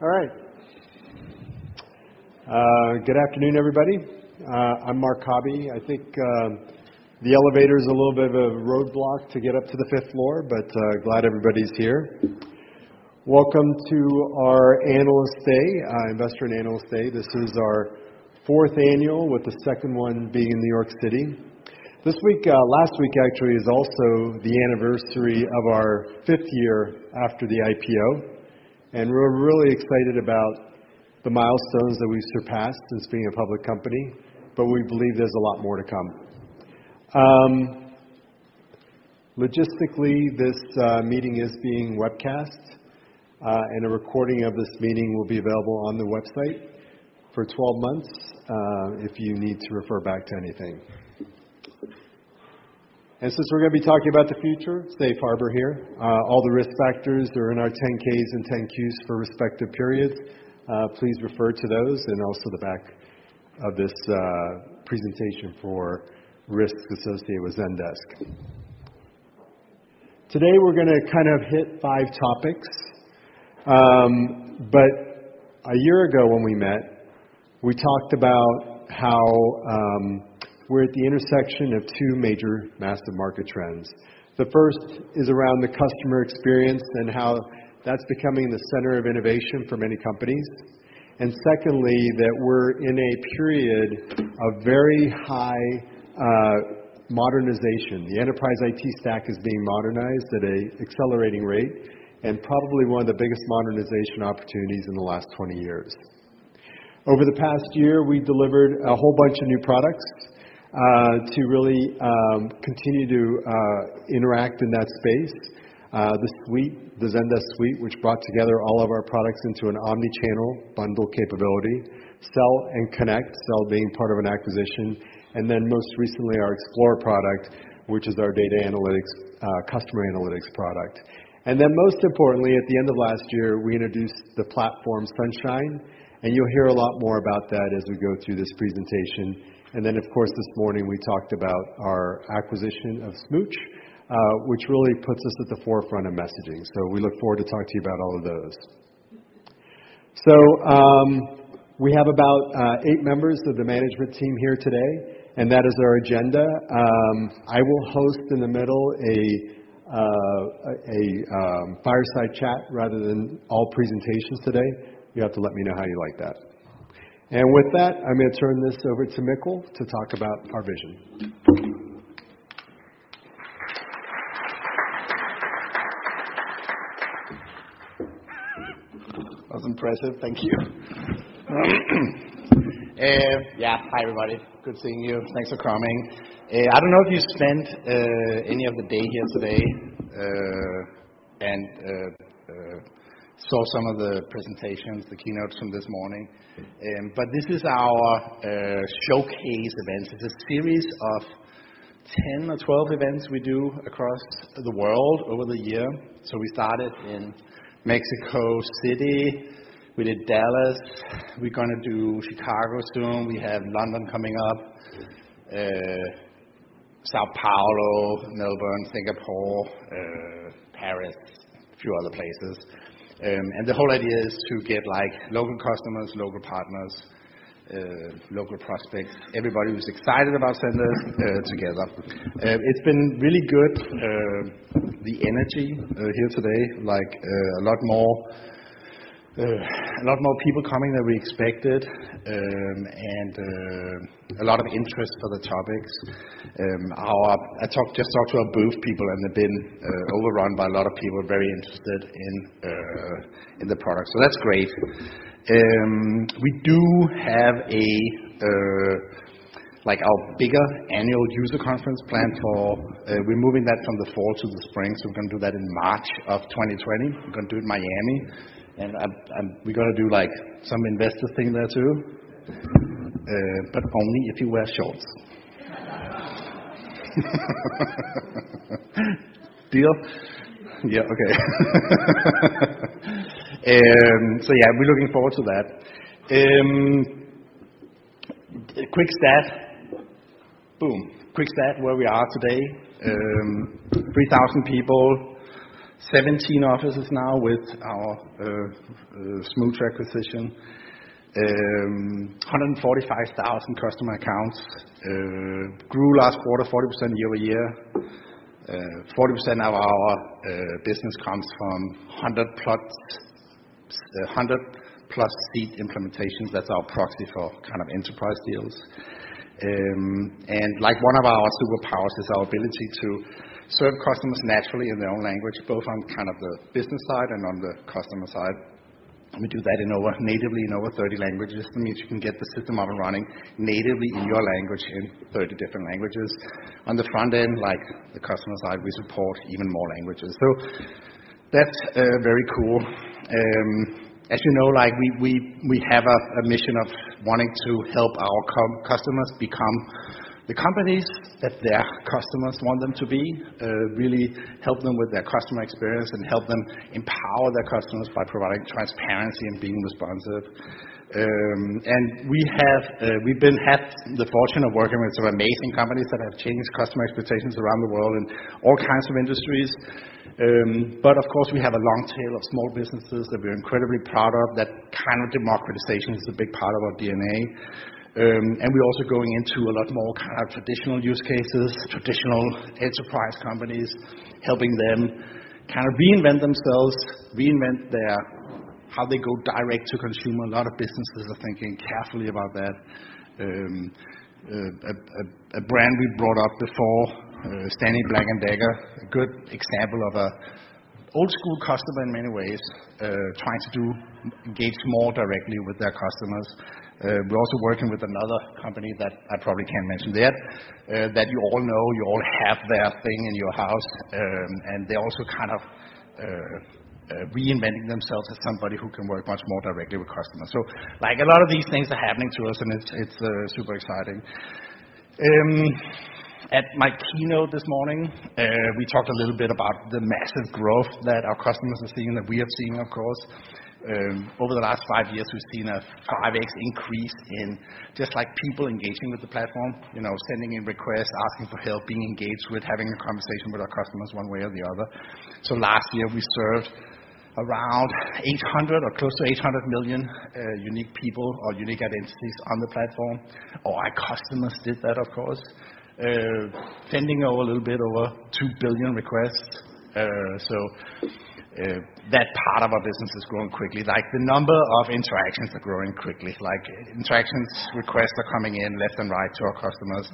All right. Good afternoon, everybody. I'm Marc Cabi. I think the elevator's a little bit of a roadblock to get up to the fifth floor, but glad everybody's here. Welcome to our Investor and Analyst Day. This is our fourth annual, with the second one being in New York City. Last week, actually, is also the anniversary of our fifth year after the IPO. We're really excited about the milestones that we've surpassed since being a public company. We believe there's a lot more to come. Logistically, this meeting is being webcast. A recording of this meeting will be available on the website for 12 months, if you need to refer back to anything. Since we're going to be talking about the future, safe harbor here. All the risk factors are in our 10-Ks and 10-Qs for respective periods. Please refer to those and also the back of this presentation for risks associated with Zendesk. Today, we're going to kind of hit five topics. A year ago when we met, we talked about how we're at the intersection of two major massive market trends. The first is around the customer experience and how that's becoming the center of innovation for many companies. Secondly, that we're in a period of very high modernization. The enterprise IT stack is being modernized at an accelerating rate. Probably one of the biggest modernization opportunities in the last 20 years. Over the past year, we delivered a whole bunch of new products to really continue to interact in that space. The suite, the Zendesk Suite, which brought together all of our products into an omnichannel bundle capability. Sell and Connect, Sell being part of an acquisition. Most recently, our Explore product, which is our data analytics, customer analytics product. Most importantly, at the end of last year, we introduced the platform Sunshine. You'll hear a lot more about that as we go through this presentation. Of course, this morning, we talked about our acquisition of Smooch, which really puts us at the forefront of messaging. We look forward to talking to you about all of those. We have about eight members of the management team here today. That is our agenda. I will host in the middle, a fireside chat rather than all presentations today. You have to let me know how you like that. With that, I'm going to turn this over to Mikkel to talk about our vision. That was impressive. Thank you. Hi, everybody. Good seeing you. Thanks for coming. I don't know if you spent any of the day here today and saw some of the presentations, the keynotes from this morning. This is our showcase event. It's a series of 10 or 12 events we do across the world over the year. We started in Mexico City. We did Dallas. We're going to do Chicago soon. We have London coming up. São Paulo, Melbourne, Singapore, Paris, a few other places. The whole idea is to get local customers, local partners, local prospects, everybody who's excited about Zendesk together. It's been really good, the energy here today, a lot more people coming than we expected, and a lot of interest for the topics. I just talked to our booth people. They've been overrun by a lot of people very interested in the product. That's great. We do have our bigger annual user conference planned for. We're moving that from the fall to the spring. We're going to do that in March of 2020. We're going to do it in Miami. We're going to do some investor thing there, too. Only if you wear shorts. Deal? Yeah, okay. Yeah, we're looking forward to that. A quick stat. Boom. Quick stat where we are today. 3,000 people, 17 offices now with our Smooch acquisition. 145,000 customer accounts. Grew last quarter, 40% year-over-year. 40% of our business comes from 100-plus seat implementations. That's our proxy for kind of enterprise deals. One of our superpowers is our ability to serve customers naturally in their own language, both on the business side and on the customer side. We do that natively in over 30 languages. This means you can get the system up and running natively in your language in 30 different languages. On the front end, the customer side, we support even more languages. That's very cool. As you know, we have a mission of wanting to help our customers become the companies that their customers want them to be. Really help them with their customer experience and help them empower their customers by providing transparency and being responsive. We have had the fortune of working with some amazing companies that have changed customer expectations around the world in all kinds of industries. But of course, we have a long tail of small businesses that we're incredibly proud of. That kind of democratization is a big part of our DNA. We're also going into a lot more kind of traditional use cases, traditional enterprise companies, helping them reinvent themselves, reinvent how they go direct to consumer. A lot of businesses are thinking carefully about that. A brand we brought up before, Stanley Black & Decker, a good example of an old school customer in many ways, trying to engage more directly with their customers. We're also working with another company that I probably can't mention there, that you all know. You all have their thing in your house. They're also kind of reinventing themselves as somebody who can work much more directly with customers. A lot of these things are happening to us and it's super exciting. At my keynote this morning, we talked a little bit about the massive growth that our customers have seen, that we have seen, of course. Over the last five years, we've seen a 5x increase in just people engaging with the platform, sending in requests, asking for help, being engaged with, having a conversation with our customers one way or the other. Last year, we served around 800 or close to 800 million unique people or unique identities on the platform, or our customers did that, of course, sending a little bit over 2 billion requests. That part of our business is growing quickly. The number of interactions are growing quickly. Interactions, requests are coming in left and right to our customers.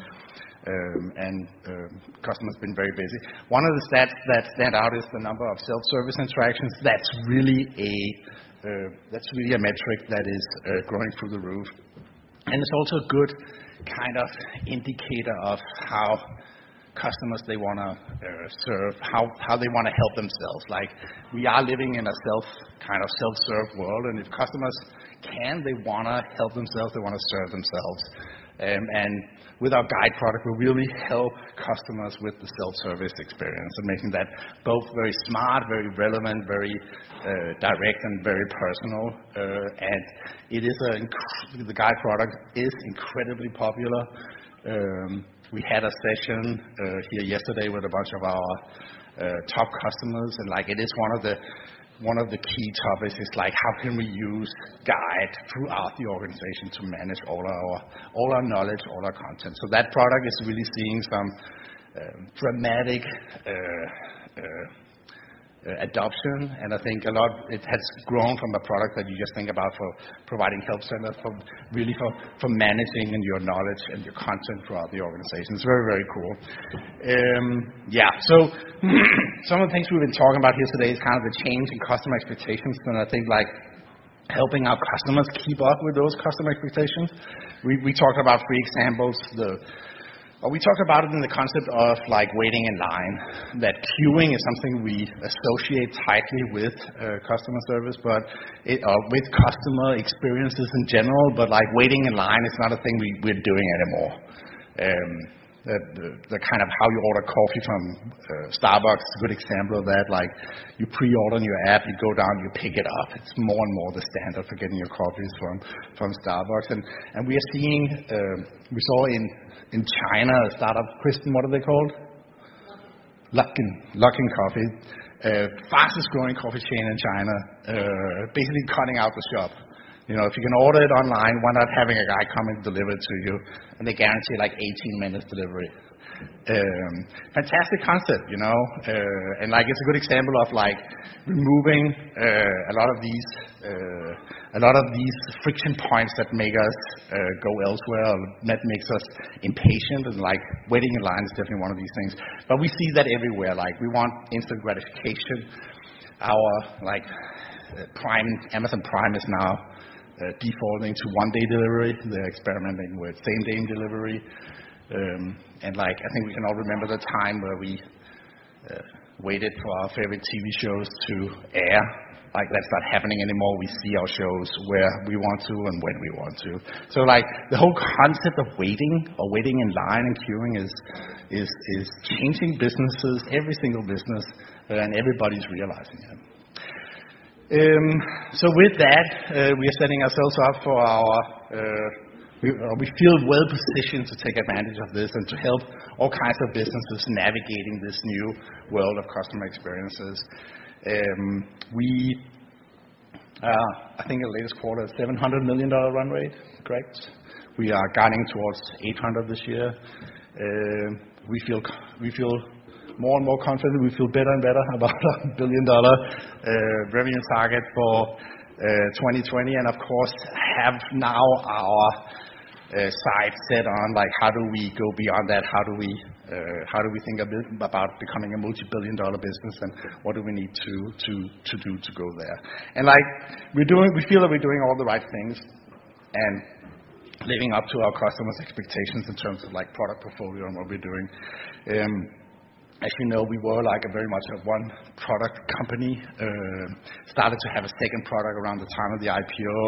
Customers have been very busy. One of the stats that stand out is the number of self-service interactions. That's really a metric that is growing through the roof. It's also a good indicator of how customers they want to serve, how they want to help themselves. We are living in a kind of self-serve world. If customers can, they want to help themselves, they want to serve themselves. With our Guide product, we really help customers with the self-service experience and making that both very smart, very relevant, very direct, and very personal. The Guide product is incredibly popular. We had a session here yesterday with a bunch of our top customers. One of the key topics is, how can we use Guide throughout the organization to manage all our knowledge, all our content? That product is really seeing some dramatic adoption. I think a lot it has grown from a product that you just think about for providing help center, really for managing your knowledge and your content throughout the organization. It's very, very cool. Some of the things we've been talking about here today is the change in customer expectations and I think helping our customers keep up with those customer expectations. We talked about three examples. We talked about it in the concept of waiting in line, that queuing is something we associate tightly with customer service, but with customer experiences in general. Waiting in line is not a thing we're doing anymore. The kind of how you order coffee from Starbucks is a good example of that. You pre-order on your app, you go down, you pick it up. It's more and more the standard for getting your coffees from Starbucks. We saw in China, a startup, Kristen, what are they called? Luckin. Luckin Coffee. Fastest growing coffee chain in China, basically cutting out the shop. If you can order it online, why not having a guy come and deliver it to you? They guarantee 18 minutes delivery. Fantastic concept. It's a good example of removing a lot of these friction points that make us go elsewhere or that makes us impatient, and waiting in line is definitely one of these things. We see that everywhere. We want instant gratification. Amazon Prime is now defaulting to one-day delivery. They're experimenting with same-day delivery. I think we can all remember the time where we waited for our favorite TV shows to air. That's not happening anymore. We see our shows where we want to and when we want to. The whole concept of waiting or waiting in line and queuing is changing businesses, every single business, and everybody's realizing it. With that, we feel well-positioned to take advantage of this and to help all kinds of businesses navigating this new world of customer experiences. I think the latest quarter is a $700 million run rate, correct? We are guiding towards $800 million this year. We feel more and more confident. We feel better and better about our billion-dollar revenue target for 2020, and of course, have now our sights set on how do we go beyond that? How do we think about becoming a multi-billion dollar business, and what do we need to do to go there? We feel that we are doing all the right things and living up to our customers' expectations in terms of product portfolio and what we are doing. As you know, we were very much a one-product company, started to have a second product around the time of the IPO,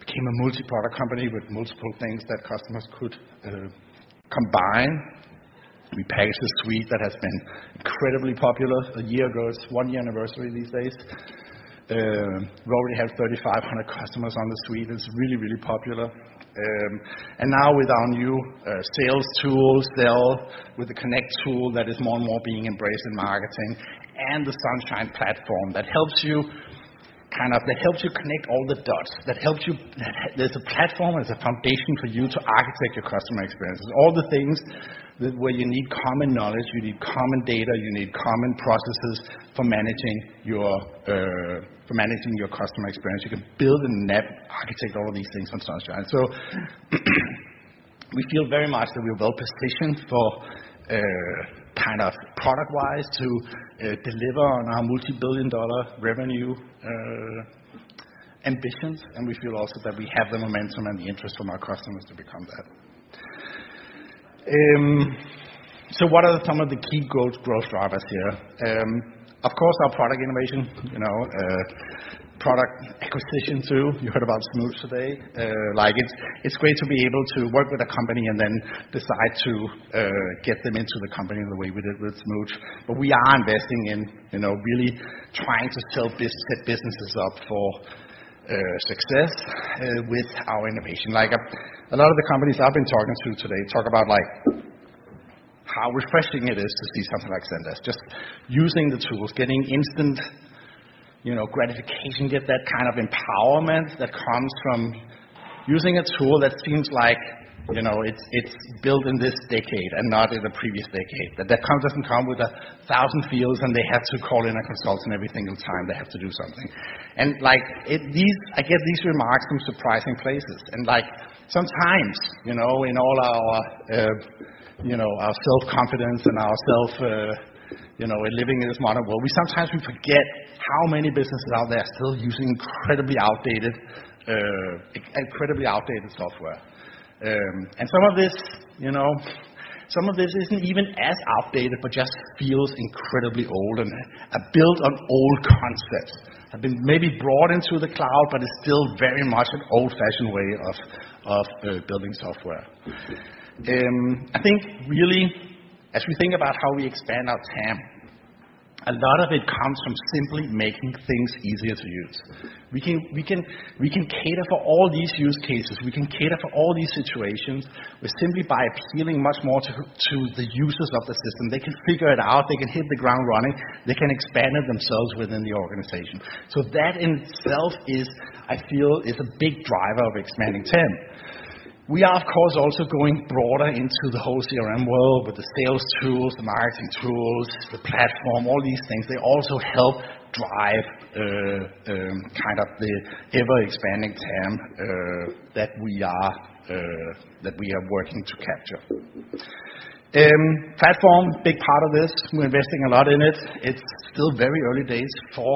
became a multi-product company with multiple things that customers could combine. We packaged a suite that has been incredibly popular. A year ago, it is one-year anniversary these days. We already have 3,500 customers on the suite. It is really, really popular. Now with our new sales tools, Sell, with the Connect tool that is more and more being embraced in marketing, and the Sunshine platform that helps you connect all the dots, there is a platform as a foundation for you to architect your customer experiences. All the things where you need common knowledge, you need common data, you need common processes for managing your customer experience, you can build and net architect all of these things from Sunshine. We feel very much that we are well-positioned product-wise to deliver on our multibillion-dollar revenue ambitions. We feel also that we have the momentum and the interest from our customers to become that. What are some of the key growth drivers here? Of course, our product innovation, product acquisition too. You heard about Smooch today. It is great to be able to work with a company and then decide to get them into the company the way we did with Smooch. We are investing in really trying to set businesses up for success with our innovation. A lot of the companies I have been talking to today talk about how refreshing it is to see something like Zendesk, just using the tools, getting instant gratification, get that kind of empowerment that comes from using a tool that seems like it is built in this decade and not in the previous decade. That does not come with 1,000 fields and they have to call in a consultant every single time they have to do something. I get these remarks from surprising places. Sometimes, in all our self-confidence and living in this modern world, sometimes we forget how many businesses out there are still using incredibly outdated software. Some of this is not even as outdated, but just feels incredibly old and are built on old concepts, have been maybe brought into the cloud, but it is still very much an old-fashioned way of building software. I think really, as we think about how we expand our TAM, a lot of it comes from simply making things easier to use. We can cater for all these use cases. We can cater for all these situations simply by appealing much more to the users of the system. They can figure it out. They can hit the ground running. They can expand it themselves within the organization. That in itself, I feel, is a big driver of expanding TAM. We are, of course, also going broader into the whole CRM world with the sales tools, the marketing tools, the platform, all these things. They also help drive the ever-expanding TAM that we are working to capture. Platform, big part of this. We're investing a lot in it. It's still very early days for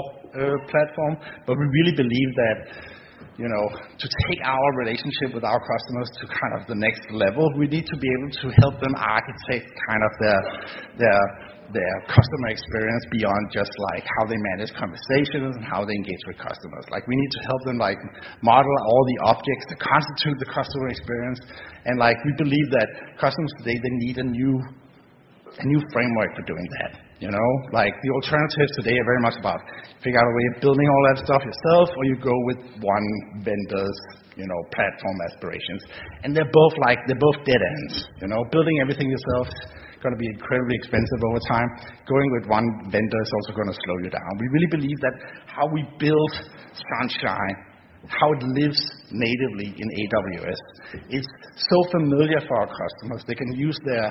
platform, but we really believe that to take our relationship with our customers to the next level, we need to be able to help them architect their customer experience beyond just how they manage conversations and how they engage with customers. We need to help them model all the objects that constitute the customer experience. We believe that customers today, they need a new framework for doing that. The alternatives today are very much about figure out a way of building all that stuff yourself, or you go with one vendor's platform aspirations, and they're both dead ends. Building everything yourself is going to be incredibly expensive over time. Going with one vendor is also going to slow you down. We really believe that how we build Sunshine, how it lives natively in AWS is so familiar for our customers. They can use their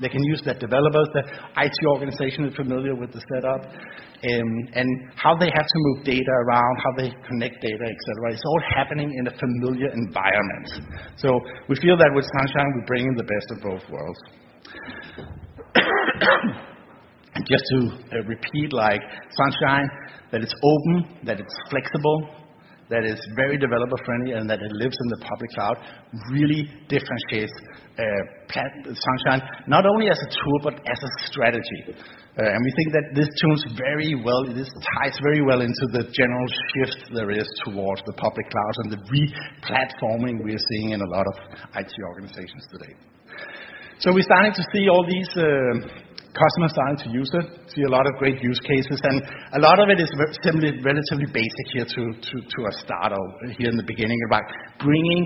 developers, their IT organization is familiar with the setup, and how they have to move data around, how they connect data, et cetera. It's all happening in a familiar environment. We feel that with Sunshine, we bring in the best of both worlds. Just to repeat, Sunshine, that it's open, that it's flexible, that it's very developer-friendly, and that it lives in the public cloud, really differentiates Sunshine, not only as a tool but as a strategy. We think that this ties very well into the general shift there is towards the public cloud and the re-platforming we are seeing in a lot of IT organizations today. We're starting to see all these customers starting to use it, see a lot of great use cases, and a lot of it is simply relatively basic here to a start or here in the beginning about bringing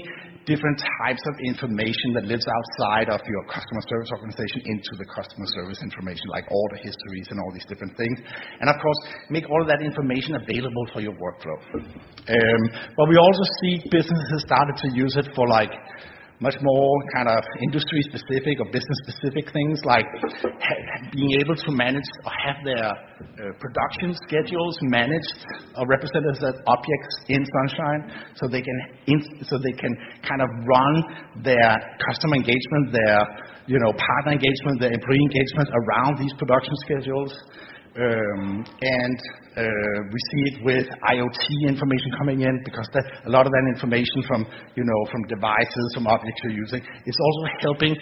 different types of information that lives outside of your customer service organization into the customer service information, like order histories and all these different things. Of course, make all of that information available for your workflow. We also see businesses starting to use it for much more industry-specific or business-specific things, like being able to manage or have their production schedules managed or represented as objects in Sunshine so they can run their customer engagement, their partner engagement, their employee engagement around these production schedules. We see it with IoT information coming in because a lot of that information from devices, from objects you're using, is also helping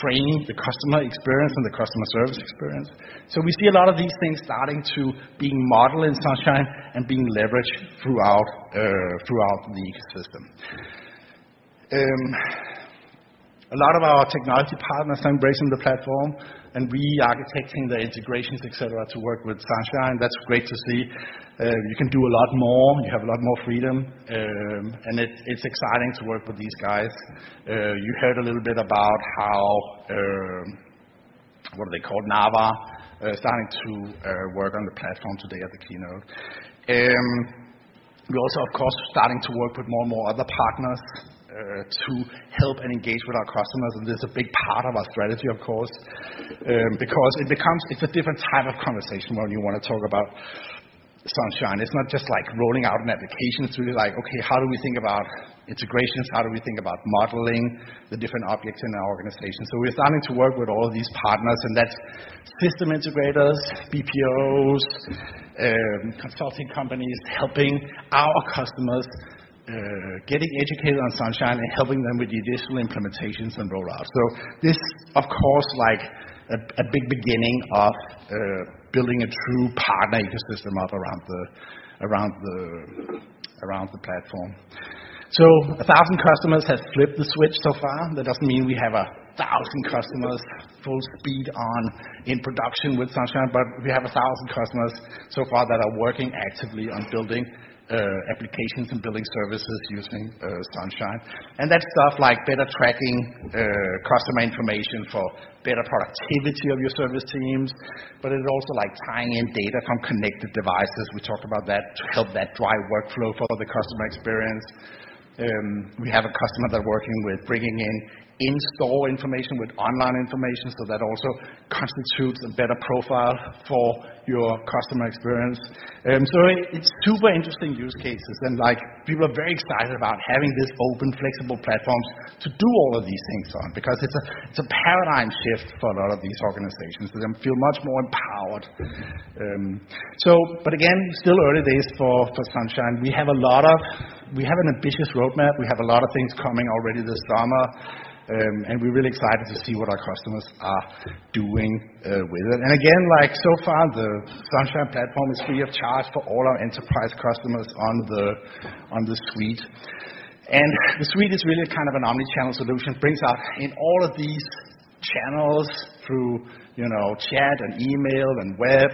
frame the customer experience and the customer service experience. We see a lot of these things starting to being modeled in Sunshine and being leveraged throughout the ecosystem. A lot of our technology partners are embracing the platform and re-architecting their integrations, et cetera, to work with Sunshine. That's great to see. You can do a lot more, you have a lot more freedom, and it's exciting to work with these guys. You heard a little bit about how, what are they called, Narvar, starting to work on the platform today at the keynote. We're also, of course, starting to work with more and more other partners to help and engage with our customers, this is a big part of our strategy, of course, because it's a different type of conversation when you want to talk about Sunshine. It's not just rolling out an application, it's really like, okay, how do we think about integrations? How do we think about modeling the different objects in our organization? We're starting to work with all these partners, and that's system integrators, BPOs, consulting companies, helping our customers, getting educated on Sunshine, and helping them with the additional implementations and roll-outs. This, of course, like a big beginning of building a true partner ecosystem up around the platform. 1,000 customers have flipped the switch so far. That doesn't mean we have 1,000 customers full speed on in production with Sunshine, we have 1,000 customers so far that are working actively on building applications and building services using Sunshine. That's stuff like better tracking customer information for better productivity of your service teams. It's also like tying in data from connected devices, we talked about that, to help that drive workflow for the customer experience. We have a customer they're working with, bringing in in-store information with online information, that also constitutes a better profile for your customer experience. It's super interesting use cases, and people are very excited about having this open, flexible platform to do all of these things on, because it's a paradigm shift for a lot of these organizations. They feel much more empowered. Again, still early days for Sunshine. We have an ambitious roadmap. We have a lot of things coming already this summer, we're really excited to see what our customers are doing with it. Again, so far, the Sunshine platform is free of charge for all our enterprise customers on the suite. The suite is really kind of an omni-channel solution. It brings out in all of these channels through chat, email, web,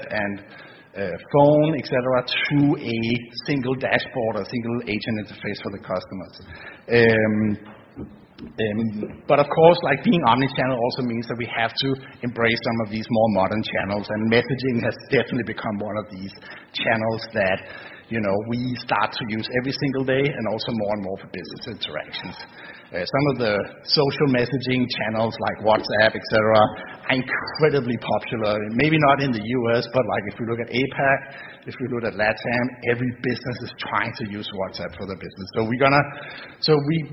phone, et cetera, to a single dashboard or single agent interface for the customers. Of course, being omni-channel also means that we have to embrace some of these more modern channels, messaging has definitely become one of these channels that we start to use every single day, also more and more for business interactions. Some of the social messaging channels like WhatsApp, et cetera, are incredibly popular. Maybe not in the U.S., but if we look at APAC, if we look at LATAM, every business is trying to use WhatsApp for their business. We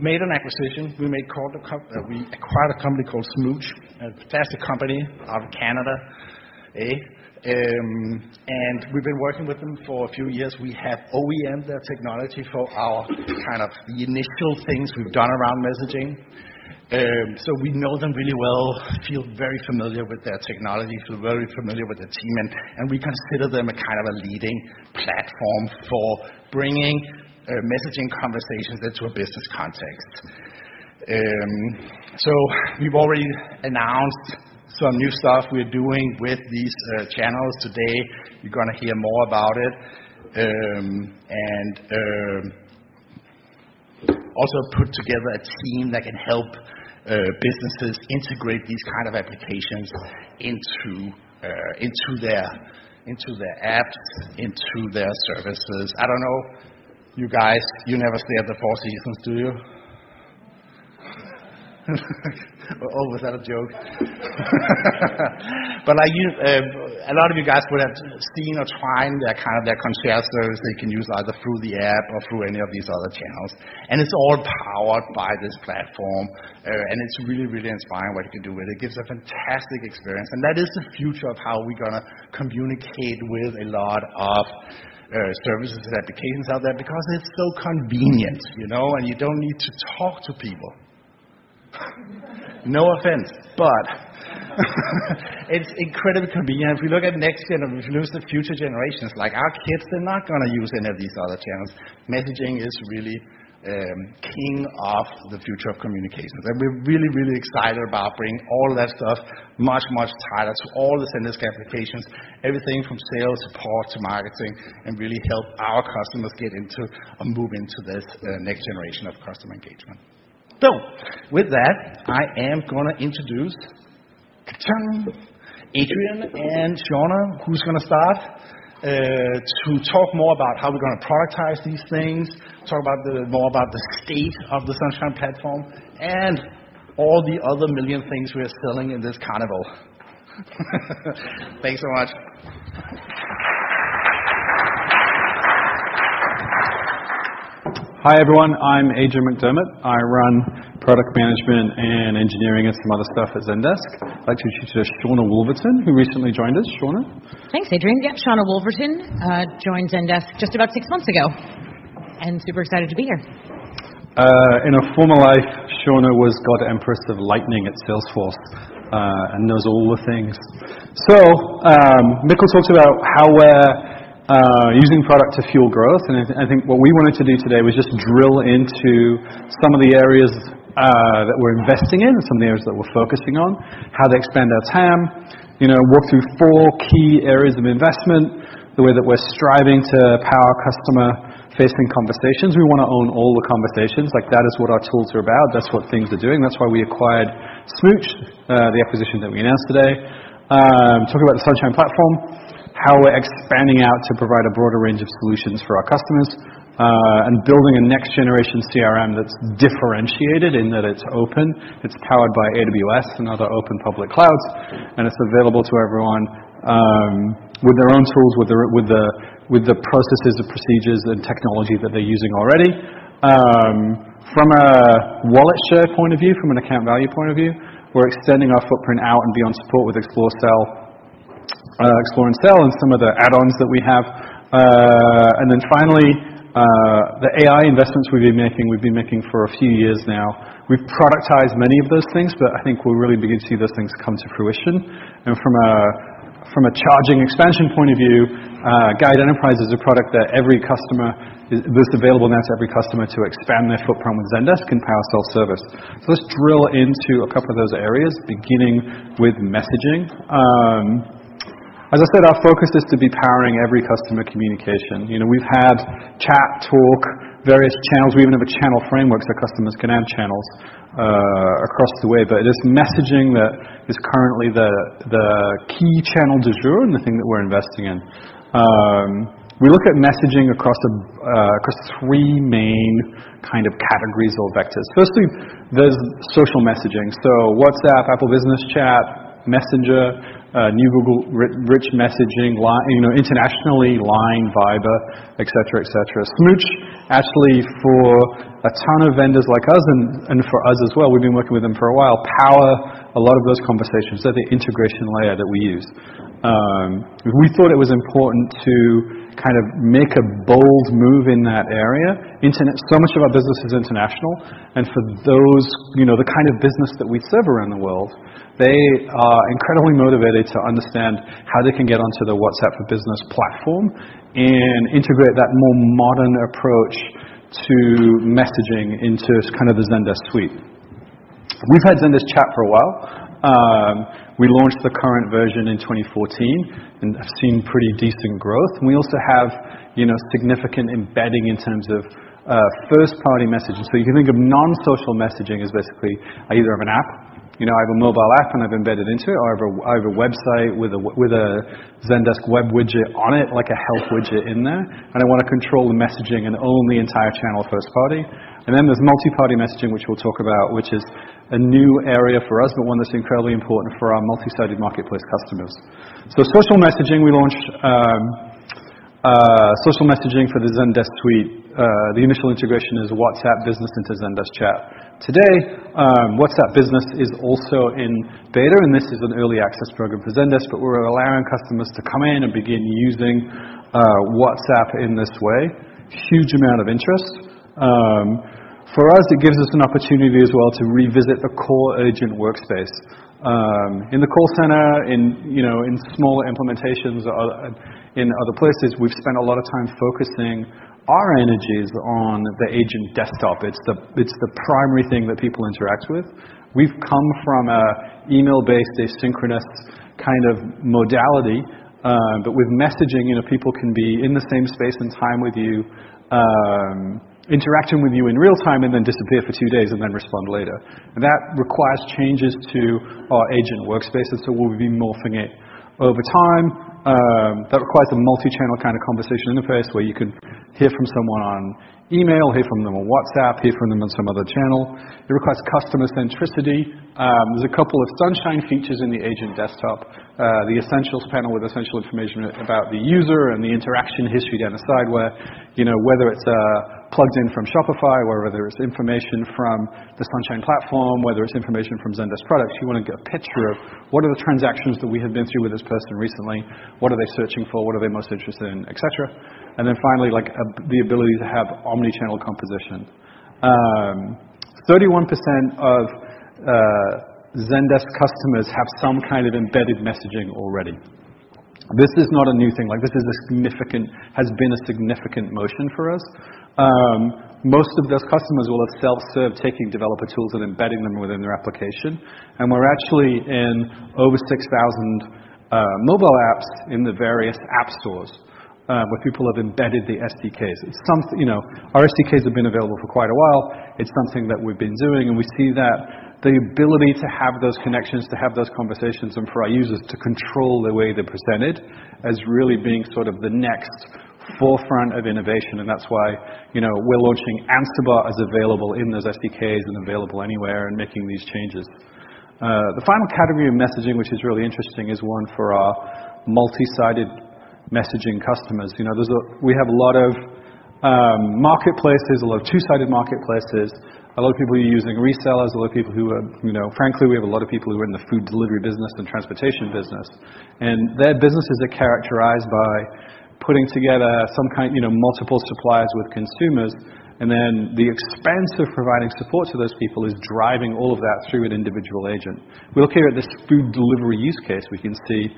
made an acquisition. We acquired a company called Smooch, a fantastic company out of Canada. We've been working with them for a few years. We have OEM their technology for our kind of initial things we've done around messaging. We know them really well, feel very familiar with their technology, feel very familiar with the team, and we consider them a kind of a leading platform for bringing messaging conversations into a business context. We've already announced some new stuff we're doing with these channels today. You're going to hear more about it. Also put together a team that can help businesses integrate these kind of applications into their apps, into their services. I don't know, you guys, you never stay at the Four Seasons, do you? Oh, was that a joke? A lot of you guys would have seen or tried their kind of their concierge service they can use either through the app or through any of these other channels. It's all powered by this platform, and it's really, really inspiring what you can do with it. It gives a fantastic experience, and that is the future of how we're going to communicate with a lot of services and applications out there because it's so convenient, and you don't need to talk to people. No offense, but it's incredibly convenient. If we look at next gen, if we look at the future generations, like our kids, they're not going to use any of these other channels. Messaging is really king of the future of communications. We're really, really excited about bringing all of that stuff much, much tighter to all the Zendesk applications, everything from sales, support, to marketing, and really help our customers get into or move into this next generation of customer engagement. With that, I am going to introduce Adrian and Shawna, who's going to start, to talk more about how we're going to prioritize these things, talk more about the state of the Zendesk Sunshine platform, and all the other million things we are selling in this carnival. Thanks so much. Hi, everyone. I'm Adrian McDermott. I run product management and engineering, and some other stuff at Zendesk. I'd like to introduce Shawna Wolverton, who recently joined us. Shawna. Thanks, Adrian. Yeah, Shawna Wolverton. Joined Zendesk just about 6 months ago, super excited to be here. In a former life, Shawna was God Empress of Lightning at Salesforce, knows all the things. Mikkel talked about how we're using product to fuel growth. I think what we wanted to do today was just drill into some of the areas that we're investing in, some of the areas that we're focusing on, how to expand our TAM, work through 4 key areas of investment, the way that we're striving to power customer-facing conversations. We want to own all the conversations. That is what our tools are about. That's what things are doing. That's why we acquired Smooch, the acquisition that we announced today. Talk about the Sunshine platform, how we're expanding out to provide a broader range of solutions for our customers, building a next generation CRM that's differentiated in that it's open, it's powered by AWS and other open public clouds, it's available to everyone with their own tools, with the processes, the procedures, and technology that they're using already. From a wallet share point of view, from an account value point of view, we're extending our footprint out and beyond support with Explore and Sell and some of the add-ons that we have. Finally, the AI investments we've been making, we've been making for a few years now. We've productized many of those things, but I think we're really beginning to see those things come to fruition. From a charging expansion point of view, Guide Enterprise is a product that's available now to every customer to expand their footprint with Zendesk and power self-service. Let's drill into a couple of those areas, beginning with messaging. As I said, our focus is to be powering every customer communication. We've had Chat, Talk, various channels. We even have a channel framework so customers can add channels across the way. But it is messaging that is currently the key channel du jour and the thing that we're investing in. We look at messaging across three main kind of categories or vectors. Firstly, there's social messaging. WhatsApp, Apple Business Chat, Messenger, new Google rich messaging, internationally, LINE, Viber, et cetera. Smooch, actually for a ton of vendors like us and for us as well, we've been working with them for a while, power a lot of those conversations. They're the integration layer that we use. We thought it was important to kind of make a bold move in that area. Much of our business is international, and for the kind of business that we serve around the world, they are incredibly motivated to understand how they can get onto the WhatsApp Business platform and integrate that more modern approach to messaging into the Zendesk Suite. We've had Zendesk Chat for a while. We launched the current version in 2014, and have seen pretty decent growth. We also have significant embedding in terms of first-party messaging. You can think of non-social messaging as basically, I either have an app, I have a mobile app and I've embedded into it, or I have a website with a Zendesk web widget on it, like a help widget in there, and I want to control the messaging and own the entire channel first party. Then there's multi-party messaging, which we'll talk about, which is a new area for us, but one that's incredibly important for our multi-sided marketplace customers. Social messaging, we launched social messaging for the Zendesk Suite. The initial integration is WhatsApp Business into Zendesk Chat. Today, WhatsApp Business is also in beta, and this is an early access program for Zendesk, but we're allowing customers to come in and begin using WhatsApp in this way. Huge amount of interest. For us, it gives us an opportunity as well to revisit the core agent workspace. In the call center, in small implementations in other places, we've spent a lot of time focusing our energies on the agent desktop. It's the primary thing that people interact with. We've come from an email-based, asynchronous kind of modality. With messaging, people can be in the same space and time with you, interacting with you in real time, and then disappear for two days and then respond later. That requires changes to our agent workspaces. We'll be morphing it over time. That requires a multi-channel kind of conversation interface where you can hear from someone on email, hear from them on WhatsApp, hear from them on some other channel. It requires customer centricity. There's a couple of Sunshine features in the agent desktop. The Essentials Card with essential information about the user and the interaction history down the side where, whether it's plugged in from Shopify or whether it's information from the Sunshine platform, whether it's information from Zendesk products, you want to get a picture of what are the transactions that we have been through with this person recently, what are they searching for, what are they most interested in, et cetera. Then finally, the ability to have omni-channel composition. 31% of Zendesk customers have some kind of embedded messaging already. This is not a new thing. This has been a significant motion for us. Most of those customers will have self-serve, taking developer tools and embedding them within their application. We're actually in over 6,000 mobile apps in the various app stores, where people have embedded the SDKs. Our SDKs have been available for quite a while. It's something that we've been doing. We see that the ability to have those connections, to have those conversations, and for our users to control the way they're presented as really being sort of the next forefront of innovation. That's why we're launching Answer Bot as available in those SDKs and available anywhere and making these changes. The final category of messaging, which is really interesting, is one for our multi-sided messaging customers. We have a lot of marketplaces, a lot of two-sided marketplaces, a lot of people who are using resellers, a lot of people who are frankly in the food delivery business and transportation business. Their businesses are characterized by putting together multiple suppliers with consumers, and then the expense of providing support to those people is driving all of that through an individual agent. If we look here at this food delivery use case, we can see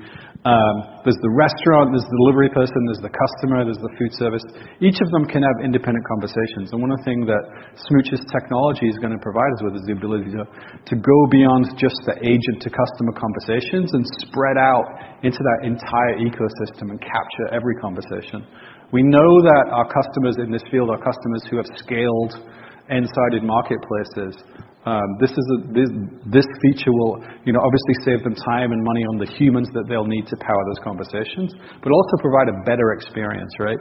there's the restaurant, there's the delivery person, there's the customer, there's the food service. Each of them can have independent conversations. One of the things that Smooch's technology is going to provide us with is the ability to go beyond just the agent to customer conversations and spread out into that entire ecosystem and capture every conversation. We know that our customers in this field are customers who have scaled N-sided marketplaces. This feature will obviously save them time and money on the humans that they'll need to power those conversations, but also provide a better experience, right?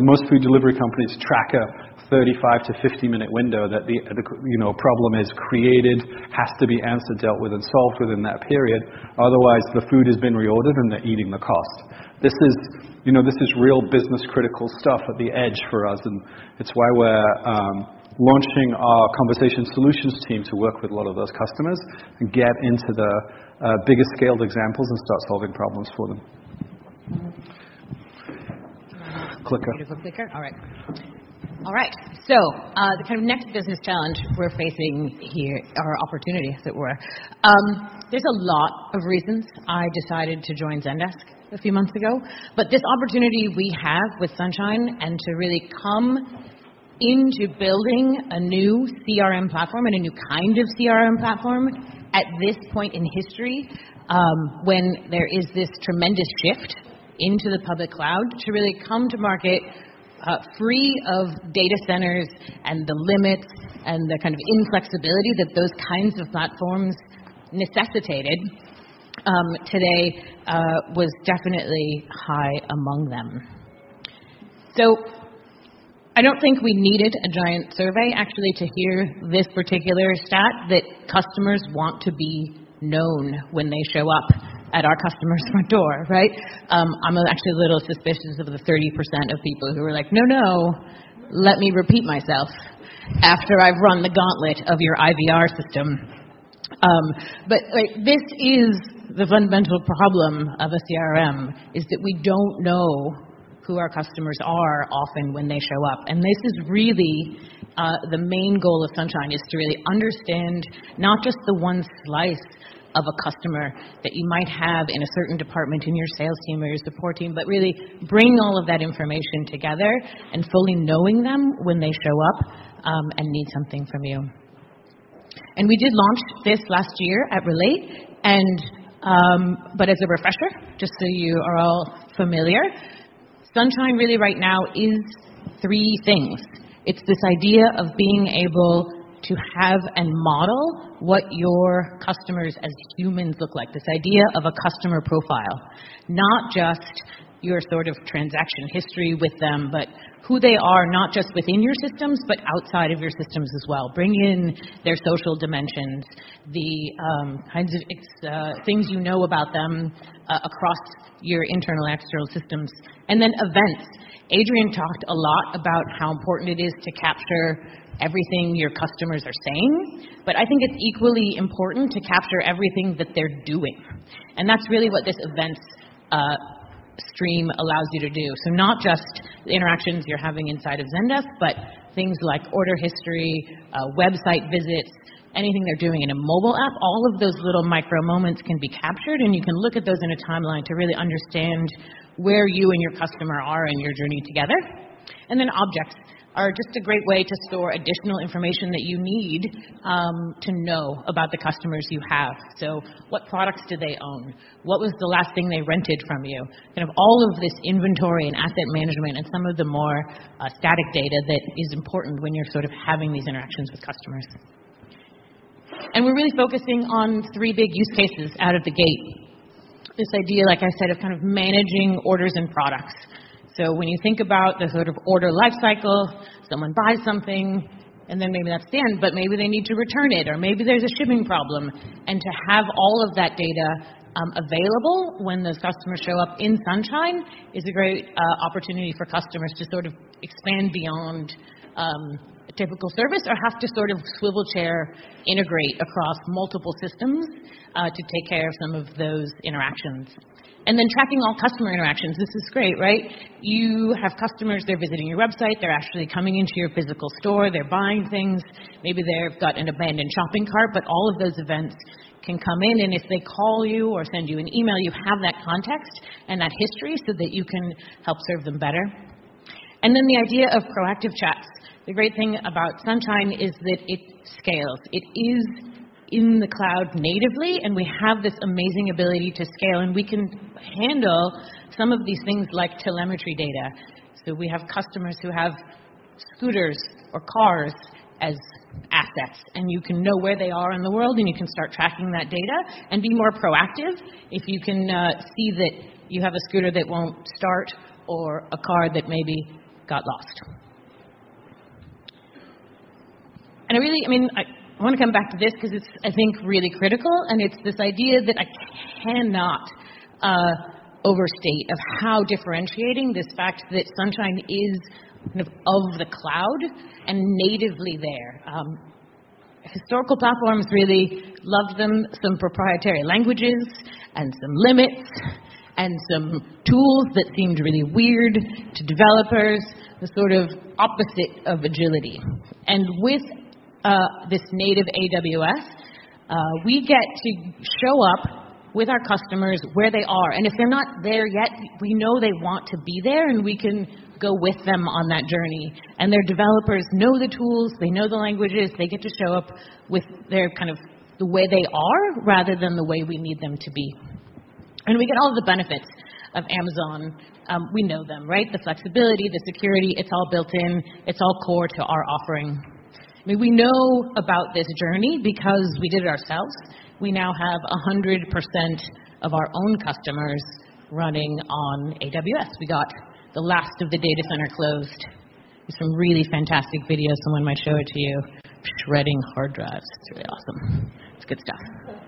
Most food delivery companies track a 35-50 minute window that the problem is created, has to be answered, dealt with, and solved within that period. Otherwise, the food has been reordered and they're eating the cost. This is real business critical stuff at the edge for us. It's why we're launching our conversation solutions team to work with a lot of those customers to get into the biggest scaled examples and start solving problems for them. Clicker. Clicker. All right. The kind of next business challenge we're facing here, or opportunity as it were. There's a lot of reasons I decided to join Zendesk a few months ago. This opportunity we have with Sunshine and to really come into building a new CRM platform and a new kind of CRM platform at this point in history, when there is this tremendous shift into the public cloud to really come to market, free of data centers and the limits and the kind of inflexibility that those kinds of platforms necessitated today, was definitely high among them. I don't think we needed a giant survey actually to hear this particular stat that customers want to be known when they show up at our customer's front door, right? I'm actually a little suspicious of the 30% of people who were like, "No, no, let me repeat myself after I've run the gauntlet of your IVR system." This is the fundamental problem of a CRM, is that we don't know who our customers are often when they show up. This is really the main goal of Sunshine, is to really understand not just the one slice of a customer that you might have in a certain department, in your sales team or your support team, but really bring all of that information together and fully knowing them when they show up and need something from you. We did launch this last year at Relate, but as a refresher, just so you are all familiar, Sunshine really right now is three things. It's this idea of being able to have and model what your customers as humans look like. This idea of a customer profile. Not just your sort of transaction history with them, but who they are, not just within your systems, but outside of your systems as well. Bring in their social dimensions, the kinds of things you know about them across your internal and external systems. Then events. Adrian talked a lot about how important it is to capture everything your customers are saying. I think it's equally important to capture everything that they're doing, and that's really what this event stream allows you to do. Not just the interactions you're having inside of Zendesk, but things like order history, website visits, anything they're doing in a mobile app. All of those little micro moments can be captured, and you can look at those in a timeline to really understand where you and your customer are in your journey together. Then objects are just a great way to store additional information that you need to know about the customers you have. What products do they own? What was the last thing they rented from you? Kind of all of this inventory and asset management and some of the more static data that is important when you're sort of having these interactions with customers. We're really focusing on three big use cases out of the gate. This idea, like I said, of kind of managing orders and products. When you think about the sort of order life cycle, someone buys something and then maybe that's the end. Maybe they need to return it, or maybe there's a shipping problem. To have all of that data available when those customers show up in Sunshine is a great opportunity for customers to sort of expand beyond a typical service, or have to sort of swivel chair integrate across multiple systems to take care of some of those interactions. Then tracking all customer interactions. This is great, right? You have customers, they're visiting your website, they're actually coming into your physical store, they're buying things. Maybe they've got an abandoned shopping cart. All of those events can come in, and if they call you or send you an email, you have that context and that history so that you can help serve them better. Then the idea of proactive chats. The great thing about Sunshine is that it scales. It is in the cloud natively, we have this amazing ability to scale, we can handle some of these things like telemetry data. We have customers who have scooters or cars as assets, you can know where they are in the world, you can start tracking that data and be more proactive if you can see that you have a scooter that won't start or a car that maybe got lost. I want to come back to this because it's, I think, really critical, it's this idea that I cannot overstate of how differentiating this fact that Zendesk Sunshine is kind of the cloud and natively there. Historical platforms really love them some proprietary languages and some limits and some tools that seemed really weird to developers, the sort of opposite of agility. With this native AWS, we get to show up with our customers where they are. If they're not there yet, we know they want to be there, we can go with them on that journey. Their developers know the tools, they know the languages, they get to show up with the way they are, rather than the way we need them to be. We get all of the benefits of Amazon. We know them, right? The flexibility, the security, it's all built in. It's all core to our offering. We know about this journey because we did it ourselves. We now have 100% of our own customers running on AWS. We got the last of the data center closed. There's a really fantastic video, someone might show it to you, shredding hard drives. It's really awesome. It's good stuff.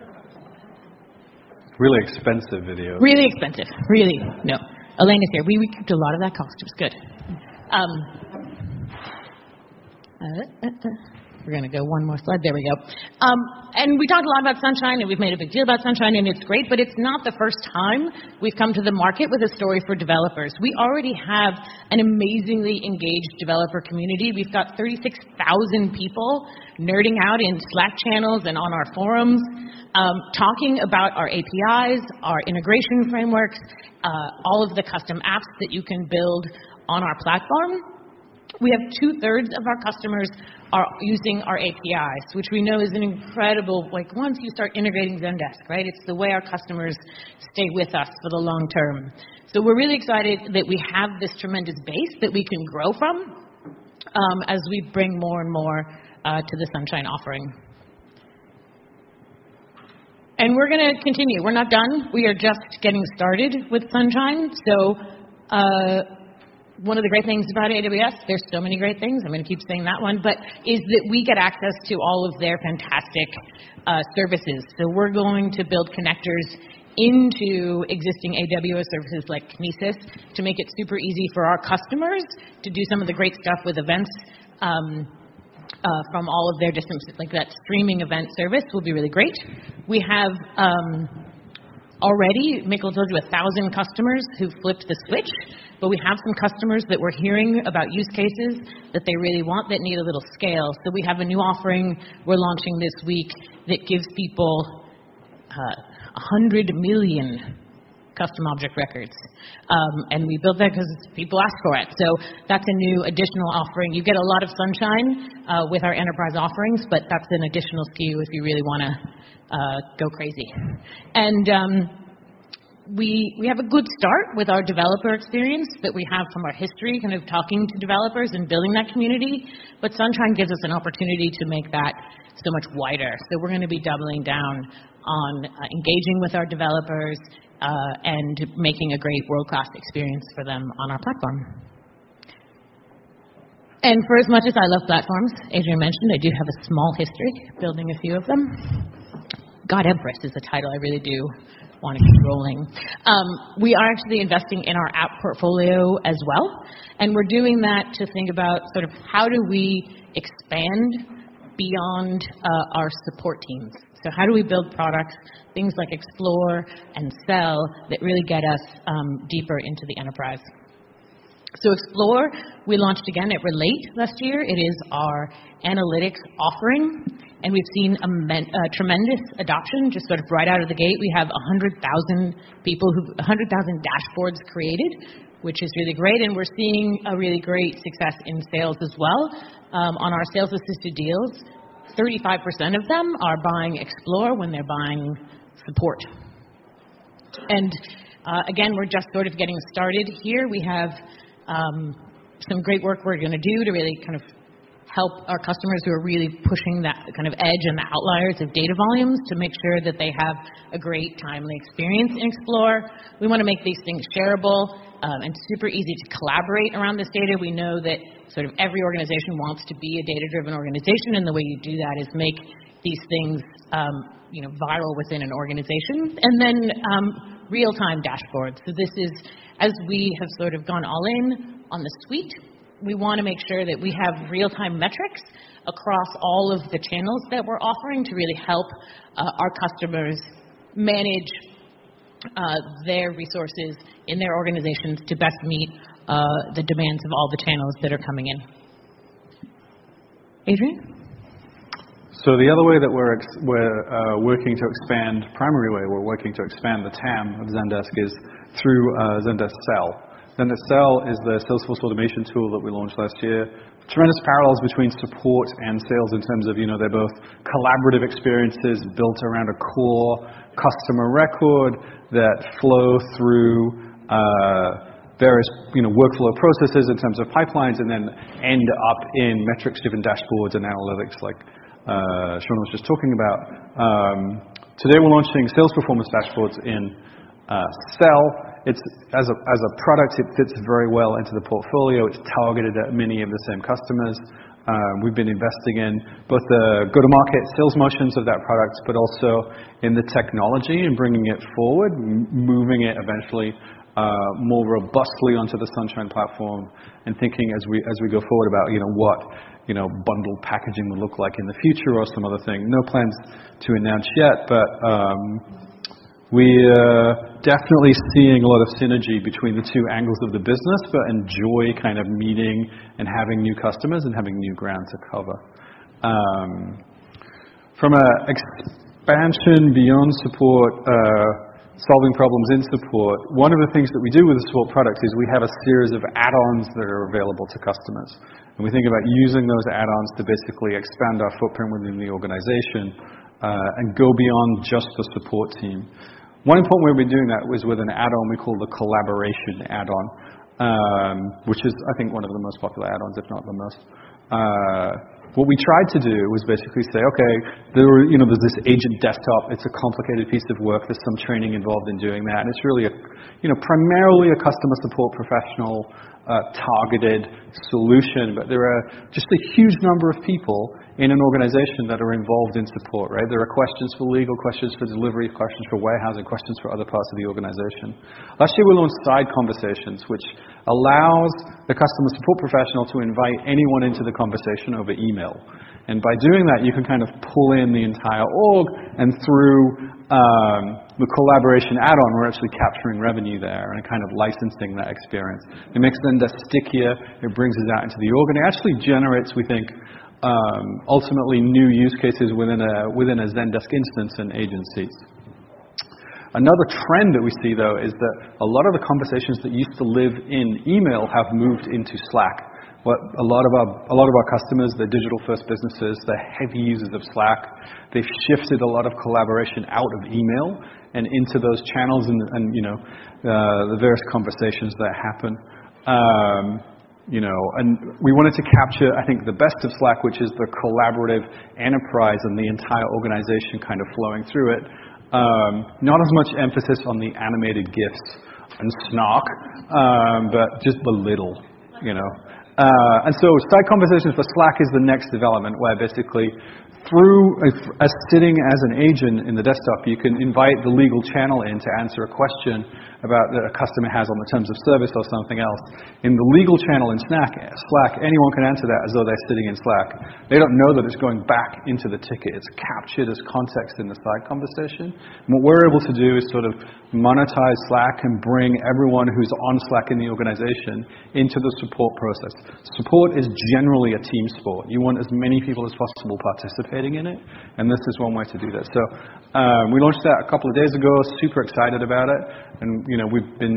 Really expensive video. Really expensive. Really. No. Elena's here. We kept a lot of that cost, it was good. We're going to go one more slide. There we go. We talked a lot about Zendesk Sunshine, we've made a big deal about Zendesk Sunshine, it's great, it's not the first time we've come to the market with a story for developers. We already have an amazingly engaged developer community. We've got 36,000 people nerding out in Slack channels and on our forums, talking about our APIs, our integration frameworks, all of the custom apps that you can build on our platform. We have two-thirds of our customers are using our APIs, which we know is an incredible, like once you start integrating Zendesk, right? It's the way our customers stay with us for the long term. We're really excited that we have this tremendous base that we can grow from as we bring more and more to the Sunshine offering. We're going to continue. We're not done. We are just getting started with Sunshine. One of the great things about AWS, there's so many great things, I'm going to keep saying that one, but is that we get access to all of their fantastic services. We're going to build connectors into existing AWS services like Kinesis to make it super easy for our customers to do some of the great stuff with events from all of their different systems. Like that streaming event service will be really great. We have already, Mikkel told you, 1,000 customers who've flipped the switch. We have some customers that we're hearing about use cases that they really want that need a little scale. We have a new offering we're launching this week that gives people 100 million custom object records. We built that because people ask for it. That's a new additional offering. You get a lot of Sunshine with our enterprise offerings, but that's an additional SKU if you really want to go crazy. We have a good start with our developer experience that we have from our history, kind of talking to developers and building that community. Sunshine gives us an opportunity to make that so much wider. We're going to be doubling down on engaging with our developers, and making a great world-class experience for them on our platform. For as much as I love platforms, Adrian mentioned I do have a small history of building a few of them. God Empress is the title I really do want to keep rolling. We are actually investing in our app portfolio as well. We're doing that to think about sort of how do we expand beyond our support teams. How do we build products, things like Explore and Sell, that really get us deeper into the enterprise? Explore, we launched again at Relate last year. It is our analytics offering, and we've seen a tremendous adoption just sort of right out of the gate. We have 100,000 dashboards created, which is really great, and we're seeing a really great success in sales as well. On our sales-assisted deals, 35% of them are buying Explore when they're buying support. Again, we're just sort of getting started here. We have some great work we're going to do to really kind of help our customers who are really pushing that kind of edge and the outliers of data volumes to make sure that they have a great timely experience in Explore. We want to make these things shareable, super easy to collaborate around this data. We know that sort of every organization wants to be a data-driven organization, the way you do that is make these things viral within an organization. Real-time dashboards. This is as we have sort of gone all in on the suite, we want to make sure that we have real-time metrics across all of the channels that we're offering to really help our customers manage their resources in their organizations to best meet the demands of all the channels that are coming in. Adrian? The other way that we're working to expand, primary way we're working to expand the TAM of Zendesk is through Zendesk Sell. Zendesk Sell is the sales force automation tool that we launched last year. Tremendous parallels between support and sales in terms of they're both collaborative experiences built around a core customer record that flow through various workflow processes in terms of pipelines, then end up in metrics-driven dashboards and analytics like Shawna was just talking about. Today we're launching sales performance dashboards in Sell. As a product, it fits very well into the portfolio. It's targeted at many of the same customers. We've been investing in both the go-to-market sales motions of that product, also in the technology and bringing it forward, moving it eventually more robustly onto the Zendesk Sunshine Platform, and thinking as we go forward about what bundled packaging will look like in the future or some other thing. No plans to announce yet, we're definitely seeing a lot of synergy between the two angles of the business, enjoy kind of meeting and having new customers and having new ground to cover. From a expansion beyond support, solving problems in support, one of the things that we do with the support product is we have a series of add-ons that are available to customers. We think about using those add-ons to basically expand our footprint within the organization, and go beyond just the support team. One point where we're doing that was with an add-on we call the Collaboration add-on, which is, I think, one of the most popular add-ons, if not the most. What we tried to do was basically say, okay, there's this agent desktop, it's a complicated piece of work. There's some training involved in doing that, and it's really primarily a customer support professional targeted solution. There are just a huge number of people in an organization that are involved in support, right? There are questions for legal, questions for delivery, questions for warehousing, questions for other parts of the organization. Last year, we launched Side Conversations, which allows the customer support professional to invite anyone into the conversation over email. By doing that, you can kind of pull in the entire org, and through the Collaboration add-on, we're actually capturing revenue there and kind of licensing that experience. It makes Zendesk stickier, it brings us out into the org, and it actually generates, we think, ultimately new use cases within a Zendesk instance and agencies. Another trend that we see, though, is that a lot of the conversations that used to live in email have moved into Slack. A lot of our customers, they're digital first businesses, they're heavy users of Slack. They've shifted a lot of collaboration out of email and into those channels and the various conversations that happen. We wanted to capture, I think, the best of Slack, which is the collaborative enterprise and the entire organization kind of flowing through it. Not as much emphasis on the animated gifs and snark. Side Conversations for Slack is the next development, where basically through us sitting as an agent in the desktop, you can invite the legal channel in to answer a question that a customer has on the terms of service or something else. In the legal channel in Slack, anyone can answer that as though they're sitting in Slack. They don't know that it's going back into the ticket. It's captured as context in the Side Conversation. What we're able to do is sort of monetize Slack and bring everyone who's on Slack in the organization into the support process. Support is generally a team sport. You want as many people as possible participating in it, and this is one way to do that. We launched that a couple of days ago, super excited about it, and we've been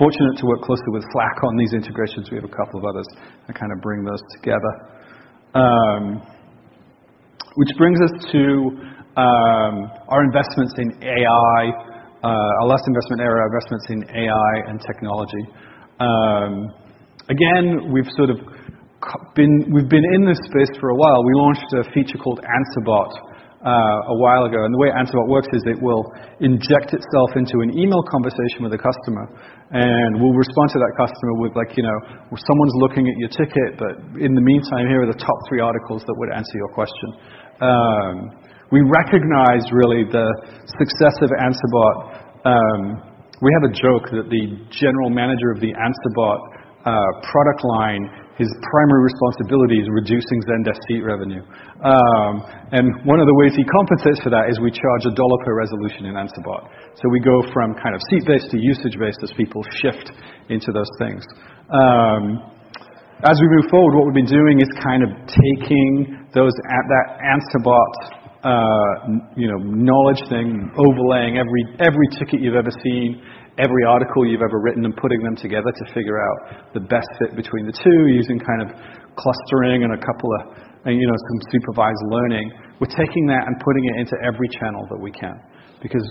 fortunate to work closely with Slack on these integrations. We have a couple of others that kind of bring those together. This brings us to our investments in AI, our last investment area, investments in AI and technology. We've been in this space for a while. We launched a feature called Answer Bot a while ago, and the way Answer Bot works is it will inject itself into an email conversation with a customer, and will respond to that customer with, like, "Someone's looking at your ticket, but in the meantime, here are the top three articles that would answer your question." We recognize really the success of Answer Bot. We have a joke that the general manager of the Answer Bot product line, his primary responsibility is reducing Zendesk seat revenue. One of the ways he compensates for that is we charge $1 per resolution in Answer Bot. We go from kind of seat-based to usage-based as people shift into those things. As we move forward, what we've been doing is kind of taking that Answer Bot knowledge thing, overlaying every ticket you've ever seen, every article you've ever written, and putting them together to figure out the best fit between the two using kind of clustering and some supervised learning. We're taking that and putting it into every channel that we can, because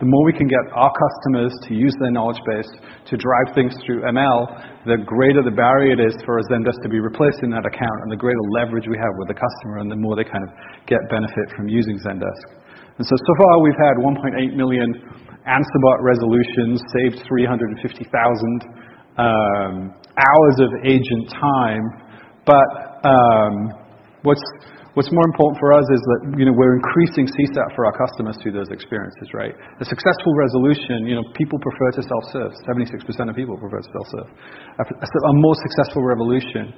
the more we can get our customers to use their knowledge base to drive things through ML, the greater the barrier it is for a Zendesk to be replaced in that account and the greater leverage we have with the customer and the more they kind of get benefit from using Zendesk. So far, we've had 1.8 million Answer Bot resolutions, saved 350,000 hours of agent time. What's more important for us is that we're increasing CSAT for our customers through those experiences, right? A successful resolution, people prefer to self-serve, 76% of people prefer to self-serve. A more successful resolution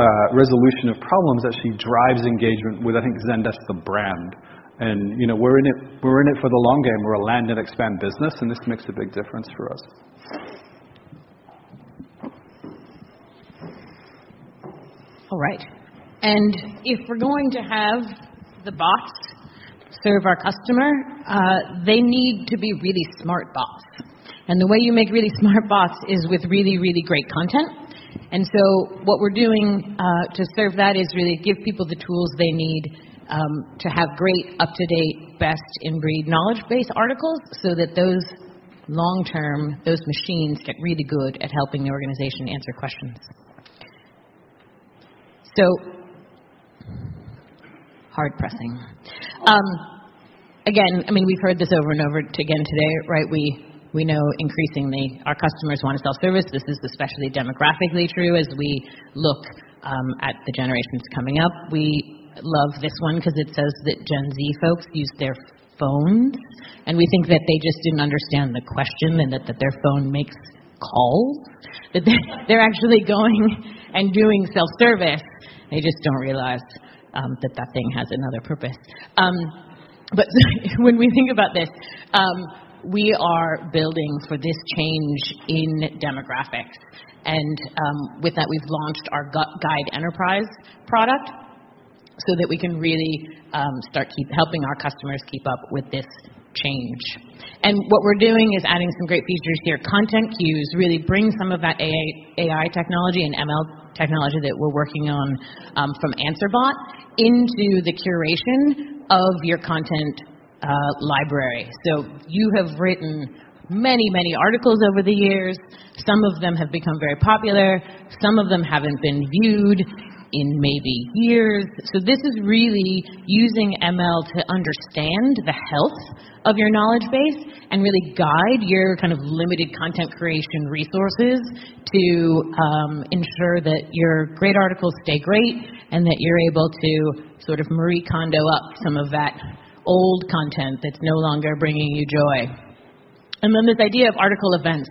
of problems actually drives engagement with, I think, Zendesk the brand, and we're in it for the long game. We're a land and expand business, and this makes a big difference for us. All right. If we're going to have the bots serve our customer, they need to be really smart bots. The way you make really smart bots is with really, really great content. What we're doing to serve that is really give people the tools they need to have great, up-to-date, best-in-breed knowledge base articles so that those long term, those machines get really good at helping the organization answer questions. Hard pressing. Again, we've heard this over and over again today, right? We know increasingly our customers want self-service. This is especially demographically true as we look at the generations coming up. We love this one because it says that Gen Z folks use their phones, and we think that they just didn't understand the question and that their phone makes calls. That they're actually going and doing self-service. They just don't realize that that thing has another purpose. When we think about this, we are building for this change in demographic, and with that, we've launched our Guide Enterprise product so that we can really start helping our customers keep up with this change. What we're doing is adding some great features here. Content Cues really bring some of that AI technology and ML technology that we're working on, from Answer Bot into the curation of your content library. You have written many, many articles over the years. Some of them have become very popular. Some of them haven't been viewed in maybe years. This is really using ML to understand the health of your knowledge base and really guide your kind of limited content creation resources to ensure that your great articles stay great and that you're able to sort of Marie Kondo up some of that old content that's no longer bringing you joy. This idea of article events.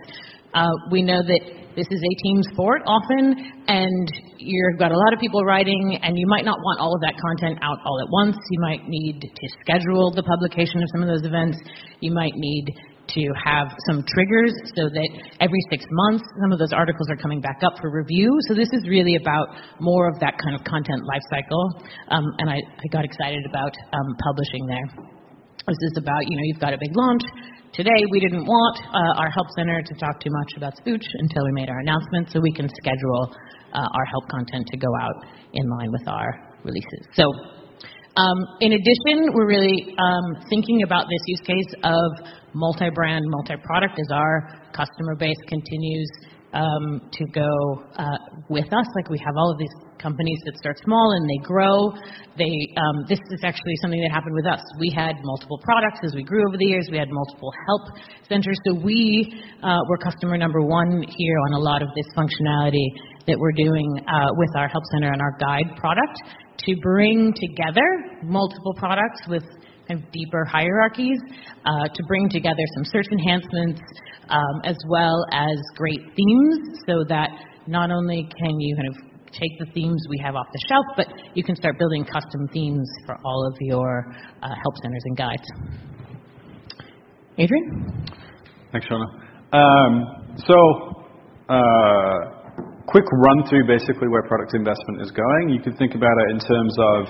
We know that this is a team sport often, and you've got a lot of people writing, and you might not want all of that content out all at once. You might need to schedule the publication of some of those events. You might need to have some triggers so that every six months, some of those articles are coming back up for review. This is really about more of that kind of content life cycle. I got excited about publishing there. This is about, you've got a big launch. Today, we didn't want our help center to talk too much about Smooch until we made our announcement, so we can schedule our help content to go out in line with our releases. In addition, we're really thinking about this use case of multi-brand, multi-product as our customer base continues to go with us. Like we have all of these companies that start small, and they grow. This is actually something that happened with us. We had multiple products as we grew over the years. We had multiple help centers. We were customer number 1 here on a lot of this functionality that we're doing with our help center and our Guide product to bring together multiple products with deeper hierarchies, to bring together some search enhancements, as well as great themes, so that not only can you take the themes we have off the shelf, but you can start building custom themes for all of your help centers and Guides. Adrian? Thanks, Shawna. Quick run through, basically, where product investment is going. You can think about it in terms of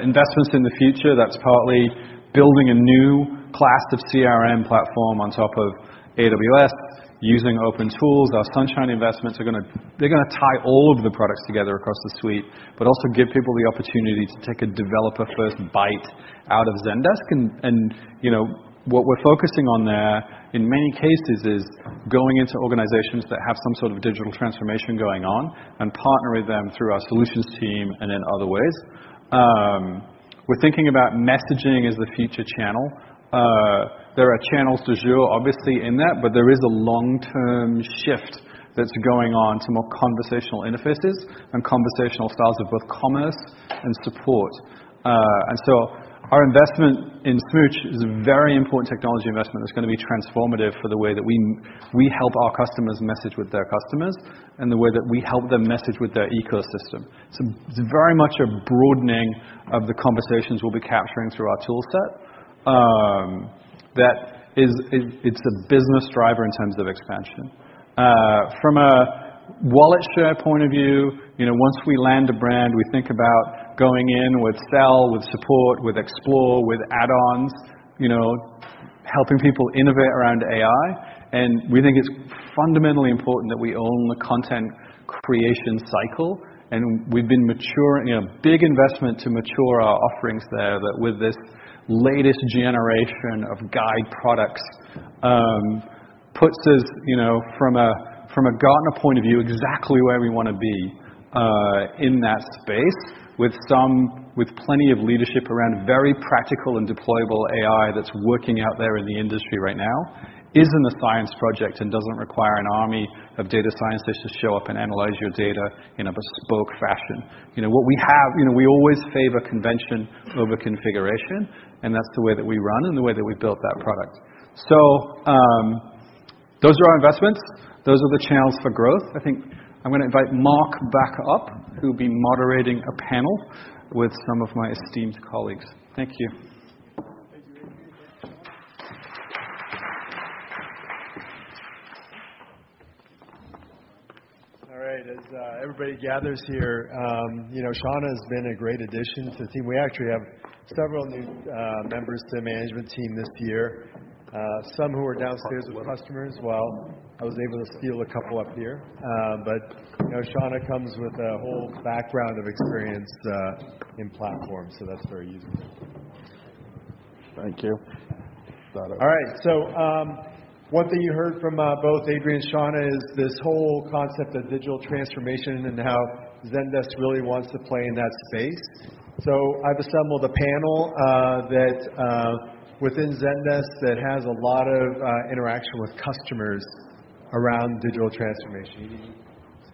investments in the future. That's partly building a new class of CRM platform on top of AWS using open tools. Our Sunshine investments, they're going to tie all of the products together across the Suite, but also give people the opportunity to take a developer-first bite out of Zendesk. What we're focusing on there, in many cases, is going into organizations that have some sort of digital transformation going on and partnering with them through our solutions team and in other ways. We're thinking about messaging as the future channel. There are channels de jure obviously in that, but there is a long-term shift that's going on to more conversational interfaces and conversational styles of both commerce and support. Our investment in Smooch is a very important technology investment that's going to be transformative for the way that we help our customers message with their customers and the way that we help them message with their ecosystem. It's very much a broadening of the conversations we'll be capturing through our tool set. It's a business driver in terms of expansion. From a wallet share point of view, once we land a brand, we think about going in with Sell, with Support, with Explore, with add-ons, helping people innovate around AI. A big investment to mature our offerings there that with this latest generation of Guide products, puts us, from a Gartner point of view, exactly where we want to be, in that space with plenty of leadership around very practical and deployable AI that's working out there in the industry right now. Isn't a science project and doesn't require an army of data scientists to show up and analyze your data in a bespoke fashion. We always favor convention over configuration, that's the way that we run and the way that we built that product. Those are our investments. Those are the channels for growth. I think I'm going to invite Marc back up, who'll be moderating a panel with some of my esteemed colleagues. Thank you. Thank you, Adrian. Thank you, Shawna. All right. As everybody gathers here, Shawna has been a great addition to the team. We actually have several new members to management team this year. Some who are downstairs with customers. Well, I was able to steal a couple up here. Shawna comes with a whole background of experience in platform, so that's very useful. Thank you. All right. One thing you heard from both Adrian and Shawna is this whole concept of digital transformation and how Zendesk really wants to play in that space. I've assembled a panel within Zendesk that has a lot of interaction with customers around digital transformation.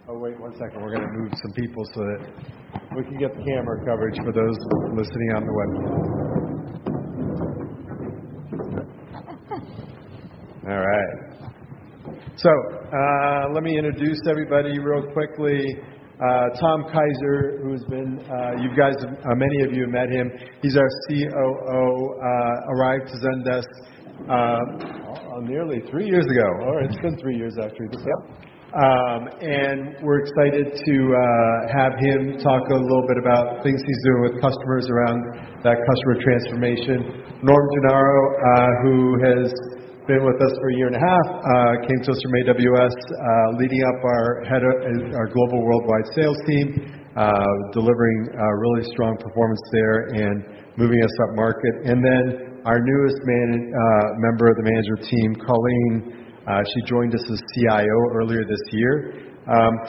Oh, wait one second. We're going to move some people so that we can get the camera coverage for those listening on the webcast. All right. Let me introduce everybody real quickly. Tom Keiser, many of you have met him. He's our COO, arrived to Zendesk- Nearly three years ago. Oh, it's been three years after this, yeah. We're excited to have him talk a little bit about things he's doing with customers around that customer transformation. Norm Gennaro, who has been with us for a year and a half, came to us from AWS, leading up our global worldwide sales team, delivering a really strong performance there and moving us up market. Our newest member of the management team, Colleen. She joined us as CIO earlier this year.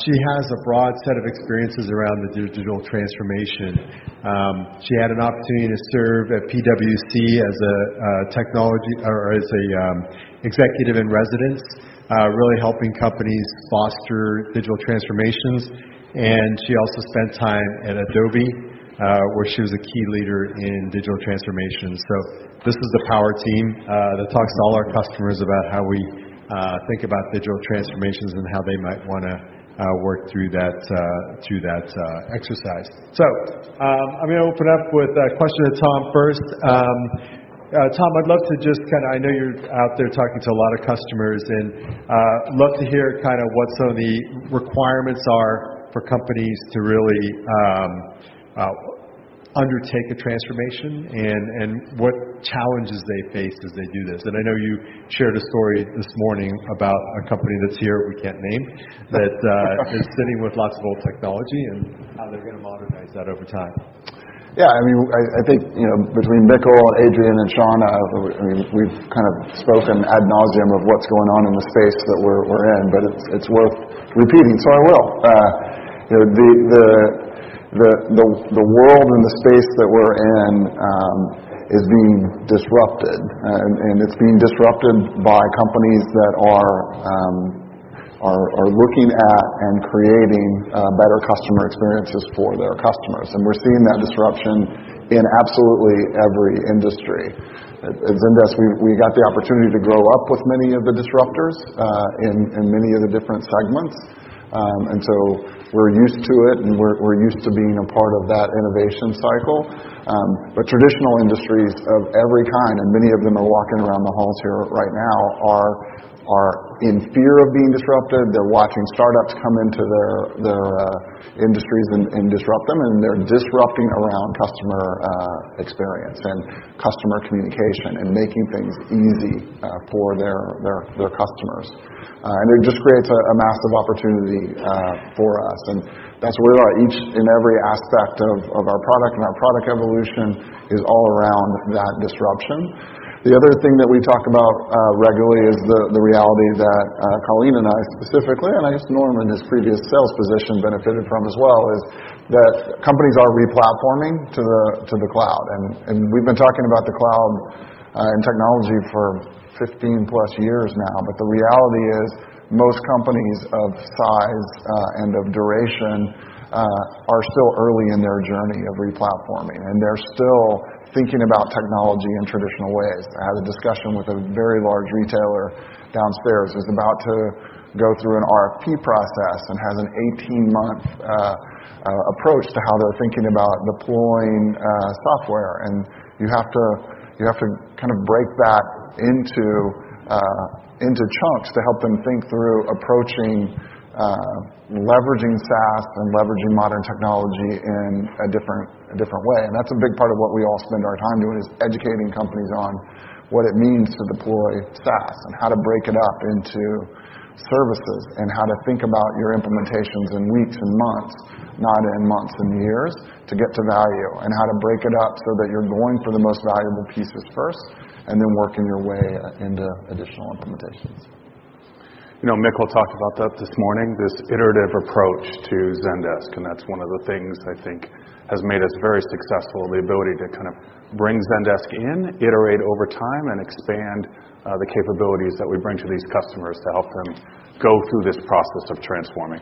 She has a broad set of experiences around the digital transformation. She had an opportunity to serve at PwC as an executive in residence, really helping companies foster digital transformations. She also spent time at Adobe, where she was a key leader in digital transformation. This is the power team that talks to all our customers about how we think about digital transformations and how they might want to work through that exercise. I'm going to open up with a question to Tom first. Tom, I know you're out there talking to a lot of customers, I'd love to hear what some of the requirements are for companies to really undertake a transformation and what challenges they face as they do this. I know you shared a story this morning about a company that's here we can't name, that is sitting with lots of old technology and how they're going to modernize that over time. Yeah, I think, between Mikkel, Adrian and Shawna, we've kind of spoken ad nauseam of what's going on in the space that we're in, but it's worth repeating, I will. The world and the space that we're in is being disrupted. It's being disrupted by companies that are looking at and creating better customer experiences for their customers. We're seeing that disruption in absolutely every industry. At Zendesk, we got the opportunity to grow up with many of the disruptors, in many of the different segments. We're used to it and we're used to being a part of that innovation cycle. Traditional industries of every kind, and many of them are walking around the halls here right now, are in fear of being disrupted. They're watching startups come into their industries and disrupt them. They're disrupting around customer experience and customer communication and making things easy for their customers. It just creates a massive opportunity for us, and that's where we are. Each and every aspect of our product and our product evolution is all around that disruption. The other thing that we talk about regularly is the reality that Colleen and I specifically, and I guess Norm in his previous sales position benefited from as well, is that companies are re-platforming to the cloud. We've been talking about the cloud and technology for 15 plus years now. The reality is, most companies of size and of duration are still early in their journey of re-platforming, and they're still thinking about technology in traditional ways. I had a discussion with a very large retailer downstairs who's about to go through an RFP process and has an 18-month approach to how they're thinking about deploying software. You have to kind of break that into chunks to help them think through approaching, leveraging SaaS and leveraging modern technology in a different way. That's a big part of what we all spend our time doing, is educating companies on what it means to deploy SaaS and how to break it up into services, and how to think about your implementations in weeks and months, not in months and years to get to value. How to break it up so that you're going for the most valuable pieces first, and then working your way into additional implementations. Mikkel talked about that this morning, this iterative approach to Zendesk. That's one of the things I think has made us very successful. The ability to kind of bring Zendesk in, iterate over time, and expand the capabilities that we bring to these customers to help them go through this process of transforming.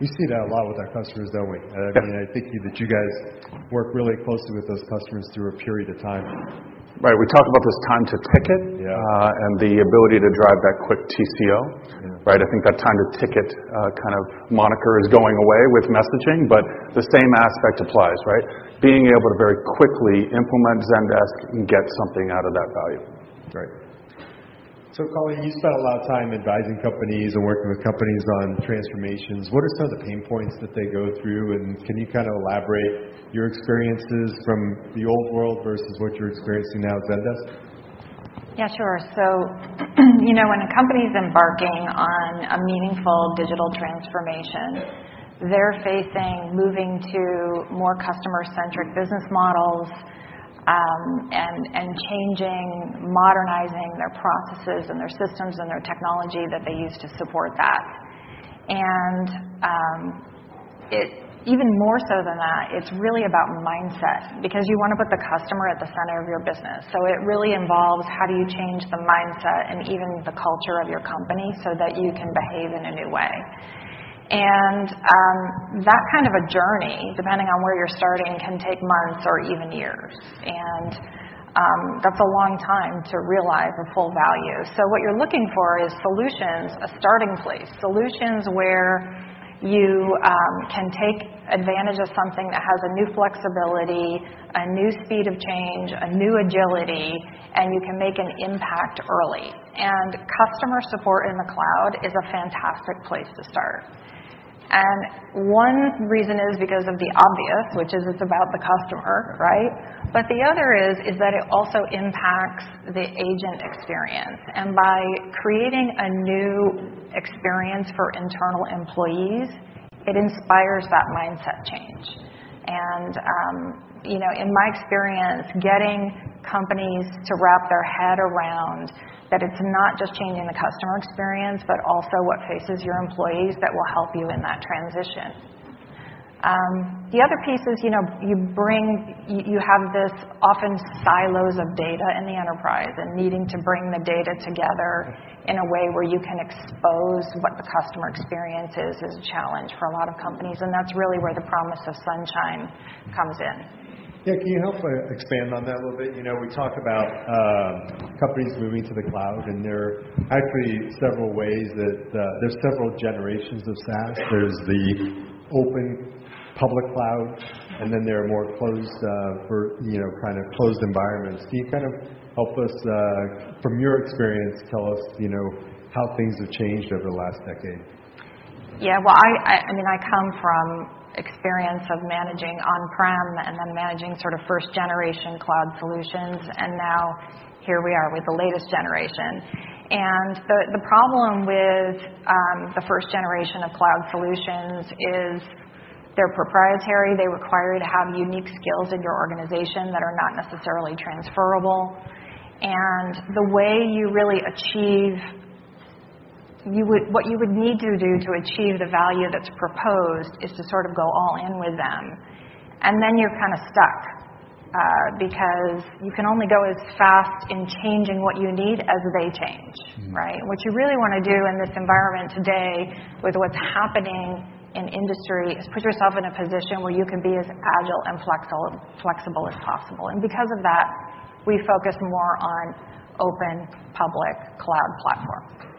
We see that a lot with our customers, don't we? Yeah. I think that you guys work really closely with those customers through a period of time. Right. We talk about this time to ticket. Yeah. The ability to drive that quick TCO. Yeah. Right? I think that time to ticket kind of moniker is going away with messaging, but the same aspect applies, right? Being able to very quickly implement Zendesk and get something out of that value. Right. Colleen, you spent a lot of time advising companies and working with companies on transformations. What are some of the pain points that they go through, and can you kind of elaborate your experiences from the old world versus what you're experiencing now at Zendesk? Yeah, sure. When a company's embarking on a meaningful digital transformation, they're facing moving to more customer-centric business models, and changing, modernizing their processes and their systems and their technology that they use to support that. Even more so than that, it's really about mindset, because you want to put the customer at the center of your business. It really involves how do you change the mindset and even the culture of your company so that you can behave in a new way. That kind of a journey, depending on where you're starting, can take months or even years. That's a long time to realize or pull value. What you're looking for is solutions, a starting place. Solutions where you can take advantage of something that has a new flexibility, a new speed of change, a new agility, and you can make an impact early. Customer support in the cloud is a fantastic place to start. One reason is because of the obvious, which is it's about the customer, right? The other is that it also impacts the agent experience. By creating a new experience for internal employees, it inspires that mindset change. In my experience, getting companies to wrap their head around that it's not just changing the customer experience, but also what faces your employees that will help you in that transition. The other piece is, you have this often silos of data in the enterprise, and needing to bring the data together in a way where you can expose what the customer experience is a challenge for a lot of companies, and that's really where the promise of Sunshine comes in. Norm, can you help expand on that a little bit? We talk about companies moving to the cloud, and there are actually several generations of SaaS. There's the open public cloud, and then there are more closed environments. Can you kind of help us, from your experience, tell us how things have changed over the last decade? Yeah. I come from experience of managing on-prem and then managing sort of first generation cloud solutions, and now here we are with the latest generation. The problem with the first generation of cloud solutions is they're proprietary. They require you to have unique skills in your organization that are not necessarily transferrable. What you would need to do to achieve the value that's proposed is to sort of go all in with them. Then you're kind of stuck, because you can only go as fast in changing what you need as they change, right? What you really want to do in this environment today with what's happening in industry is put yourself in a position where you can be as agile and flexible as possible. Because of that, we focus more on open public cloud platforms.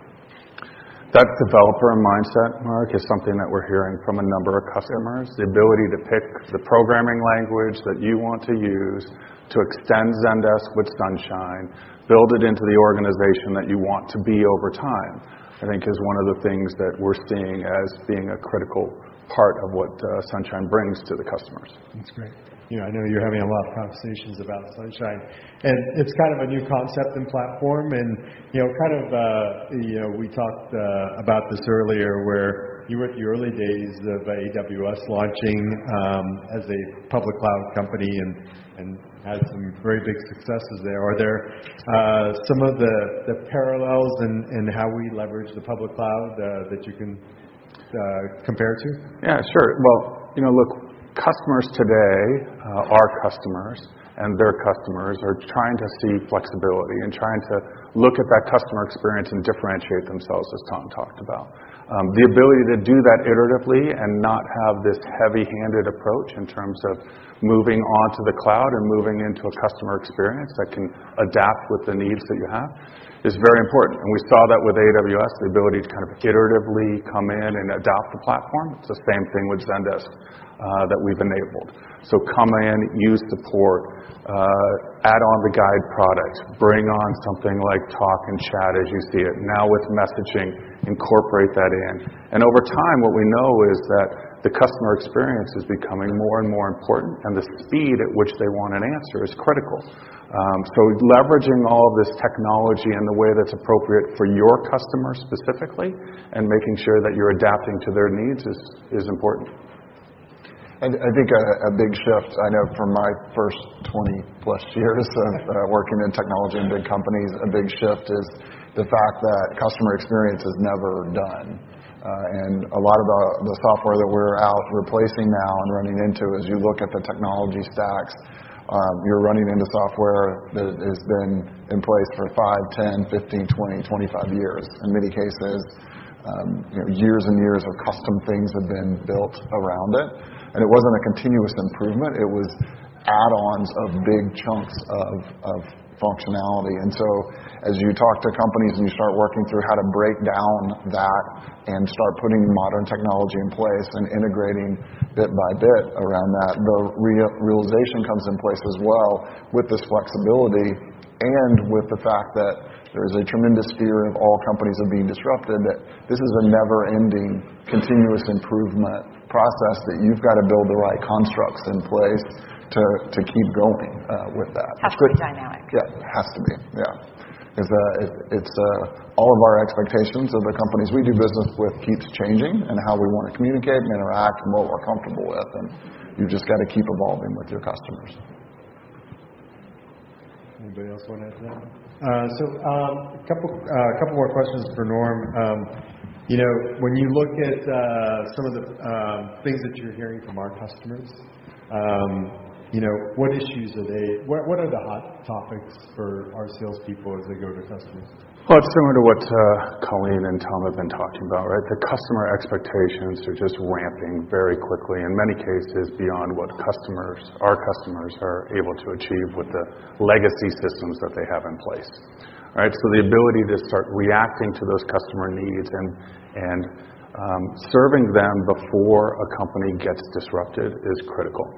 That developer mindset, Marc, is something that we're hearing from a number of customers. The ability to pick the programming language that you want to use to extend Zendesk with Sunshine, build it into the organization that you want to be over time, I think, is one of the things that we're seeing as being a critical part of what Sunshine brings to the customers. That's great. I know you're having a lot of conversations about Sunshine, it's kind of a new concept and platform. We talked about this earlier where you were at the early days of AWS launching as a public cloud company and had some very big successes there. Are there some of the parallels in how we leverage the public cloud that you can compare it to? Yeah, sure. Well, look, customers today, our customers and their customers, are trying to see flexibility and trying to look at that customer experience and differentiate themselves, as Tom talked about. The ability to do that iteratively and not have this heavy-handed approach in terms of moving onto the cloud or moving into a customer experience that can adapt with the needs that you have is very important. We saw that with AWS, the ability to kind of iteratively come in and adopt the platform. It's the same thing with Zendesk that we've enabled. Come in, use Support, add on the Guide product, bring on something like Talk and Chat as you see it. Now with messaging, incorporate that in. Over time, what we know is that the customer experience is becoming more and more important, and the speed at which they want an answer is critical. Leveraging all of this technology in the way that's appropriate for your customer specifically and making sure that you're adapting to their needs is important. I think a big shift I know from my first 20-plus years working in technology in big companies, a big shift is the fact that customer experience is never done. A lot of the software that we're out replacing now and running into, as you look at the technology stacks, you're running into software that has been in place for five, 10, 15, 20, 25 years. In many cases, years and years of custom things have been built around it. It wasn't a continuous improvement. It was add-ons of big chunks of functionality. As you talk to companies and you start working through how to break down that and start putting modern technology in place and integrating bit by bit around that, the realization comes in place as well with this flexibility and with the fact that there's a tremendous fear of all companies of being disrupted. That this is a never ending continuous improvement process that you've got to build the right constructs in place to keep going with that. Has to be dynamic. Yeah. Has to be. Yeah is that all of our expectations of the companies we do business with keep changing, and how we want to communicate and interact and what we're comfortable with, and you've just got to keep evolving with your customers. Anybody else want to add to that? A couple more questions for Norm. When you look at some of the things that you're hearing from our customers, what are the hot topics for our salespeople as they go to customers? Well, it's similar to what Colleen and Tom have been talking about, right? The customer expectations are just ramping very quickly, in many cases, beyond what our customers are able to achieve with the legacy systems that they have in place. Right? The ability to start reacting to those customer needs and serving them before a company gets disrupted is critical.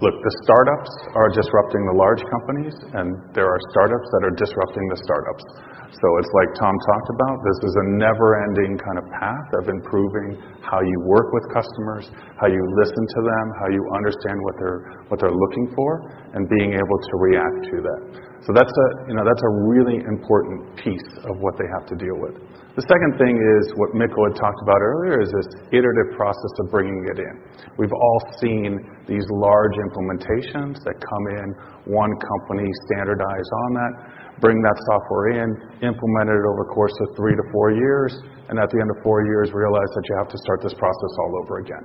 Look, the startups are disrupting the large companies, and there are startups that are disrupting the startups. It's like Tom talked about, this is a never-ending kind of path of improving how you work with customers, how you listen to them, how you understand what they're looking for, and being able to react to that. That's a really important piece of what they have to deal with. The second thing is what Mikkel had talked about earlier, is this iterative process of bringing it in. We've all seen these large implementations that come in, one company standardized on that, bring that software in, implement it over the course of three to four years, and at the end of four years, realize that you have to start this process all over again.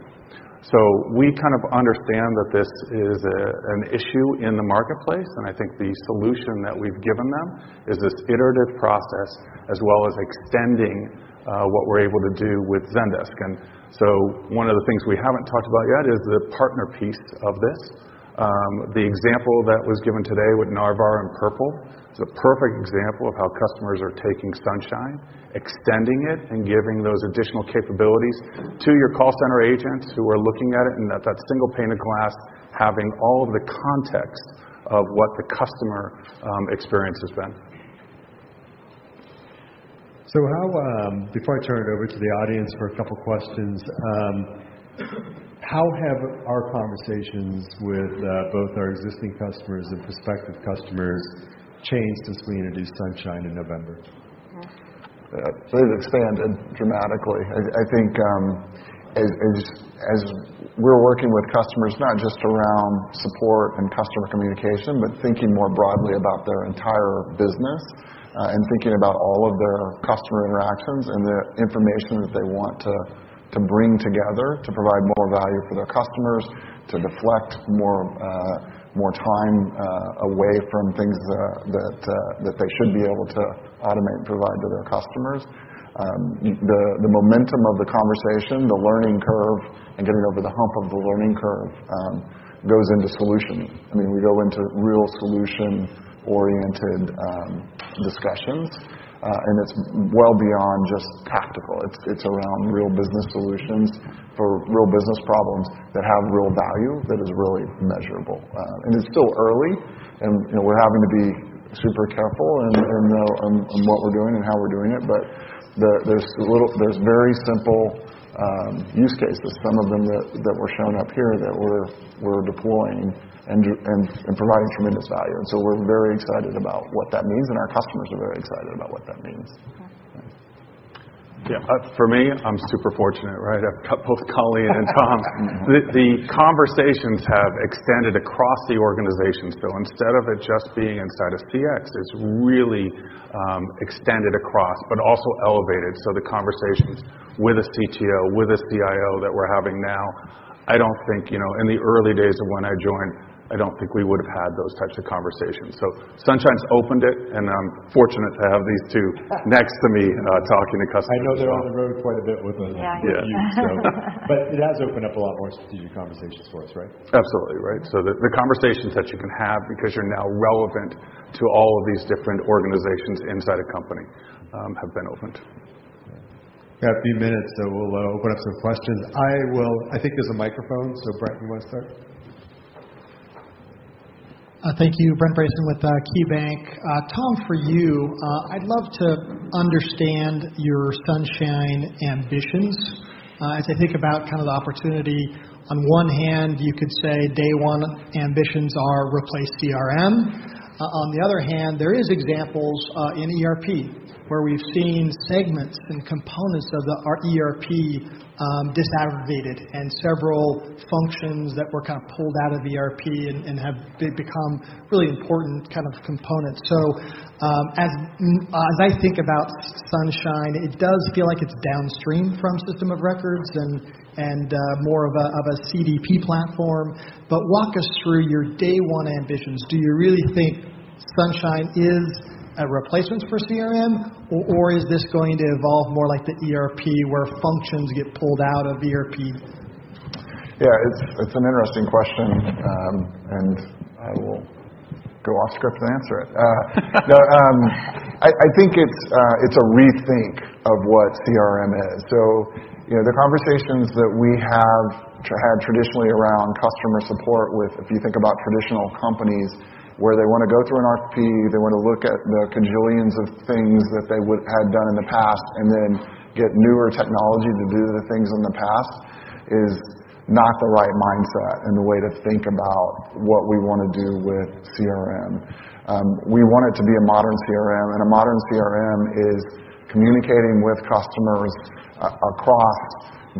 We kind of understand that this is an issue in the marketplace, and I think the solution that we've given them is this iterative process, as well as extending what we're able to do with Zendesk. One of the things we haven't talked about yet is the partner piece of this. The example that was given today with Narvar and Purple is a perfect example of how customers are taking Sunshine, extending it, and giving those additional capabilities to your call center agents who are looking at it, and at that single pane of glass, having all of the context of what the customer experience has been. Before I turn it over to the audience for a couple of questions, how have our conversations with both our existing customers and prospective customers changed since we introduced Sunshine in November? They've expanded dramatically. I think as we're working with customers, not just around support and customer communication, but thinking more broadly about their entire business, and thinking about all of their customer interactions and the information that they want to bring together to provide more value for their customers, to deflect more time away from things that they should be able to automate and provide to their customers. The momentum of the conversation, the learning curve, and getting over the hump of the learning curve goes into solutioning. We go into real solution-oriented discussions, and it's well beyond just tactical. It's around real business solutions for real business problems that have real value that is really measurable. It's still early and we're having to be super careful in what we're doing and how we're doing it, there's very simple use cases, some of them that were shown up here, that we're deploying and providing tremendous value. We're very excited about what that means, and our customers are very excited about what that means. Yeah. For me, I'm super fortunate, right? I've got both Colleen and Tom. The conversations have extended across the organization. Instead of it just being inside of CX, it's really extended across, but also elevated. The conversations with a CTO, with a CIO that we're having now, in the early days of when I joined, I don't think we would've had those types of conversations. Sunshine's opened it, and I'm fortunate to have these two next to me talking to customers as well. I know they're on the road quite a bit with you. Yeah. It has opened up a lot more strategic conversations for us, right? Absolutely. Right. The conversations that you can have because you're now relevant to all of these different organizations inside a company have been opened. Got a few minutes, so we'll open up some questions. I think there's a microphone. So Brent, you want to start? Thank you. Brent Bracelin with KeyBanc. Tom, for you, I'd love to understand your Sunshine ambitions. As I think about kind of the opportunity, on one hand, you could say day one ambitions are replace CRM. On the other hand, there is examples in ERP where we've seen segments and components of our ERP disaggregated and several functions that were kind of pulled out of ERP and have become really important kind of components. As I think about Sunshine, it does feel like it's downstream from system of records and more of a CDP platform. Walk us through your day one ambitions. Do you really think Sunshine is a replacement for CRM, or is this going to evolve more like the ERP where functions get pulled out of ERP? Yeah, it's an interesting question. Go off script and answer it. I think it's a rethink of what CRM is. The conversations that we have had traditionally around customer support with, if you think about traditional companies, where they want to go through an RFP, they want to look at the cajillions of things that they had done in the past, and then get newer technology to do the things in the past, is not the right mindset and the way to think about what we want to do with CRM. We want it to be a modern CRM, a modern CRM is communicating with customers across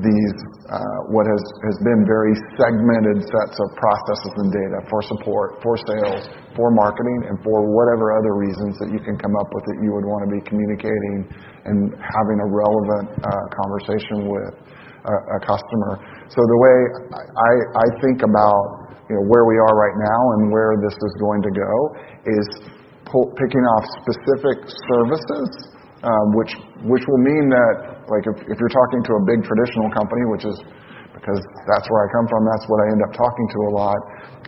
these, what has been very segmented sets of processes and data for support, for sales, for marketing, and for whatever other reasons that you can come up with that you would want to be communicating and having a relevant conversation with a customer. The way I think about where we are right now and where this is going to go is picking off specific services, which will mean that if you're talking to a big traditional company, because that's where I come from, that's what I end up talking to a lot,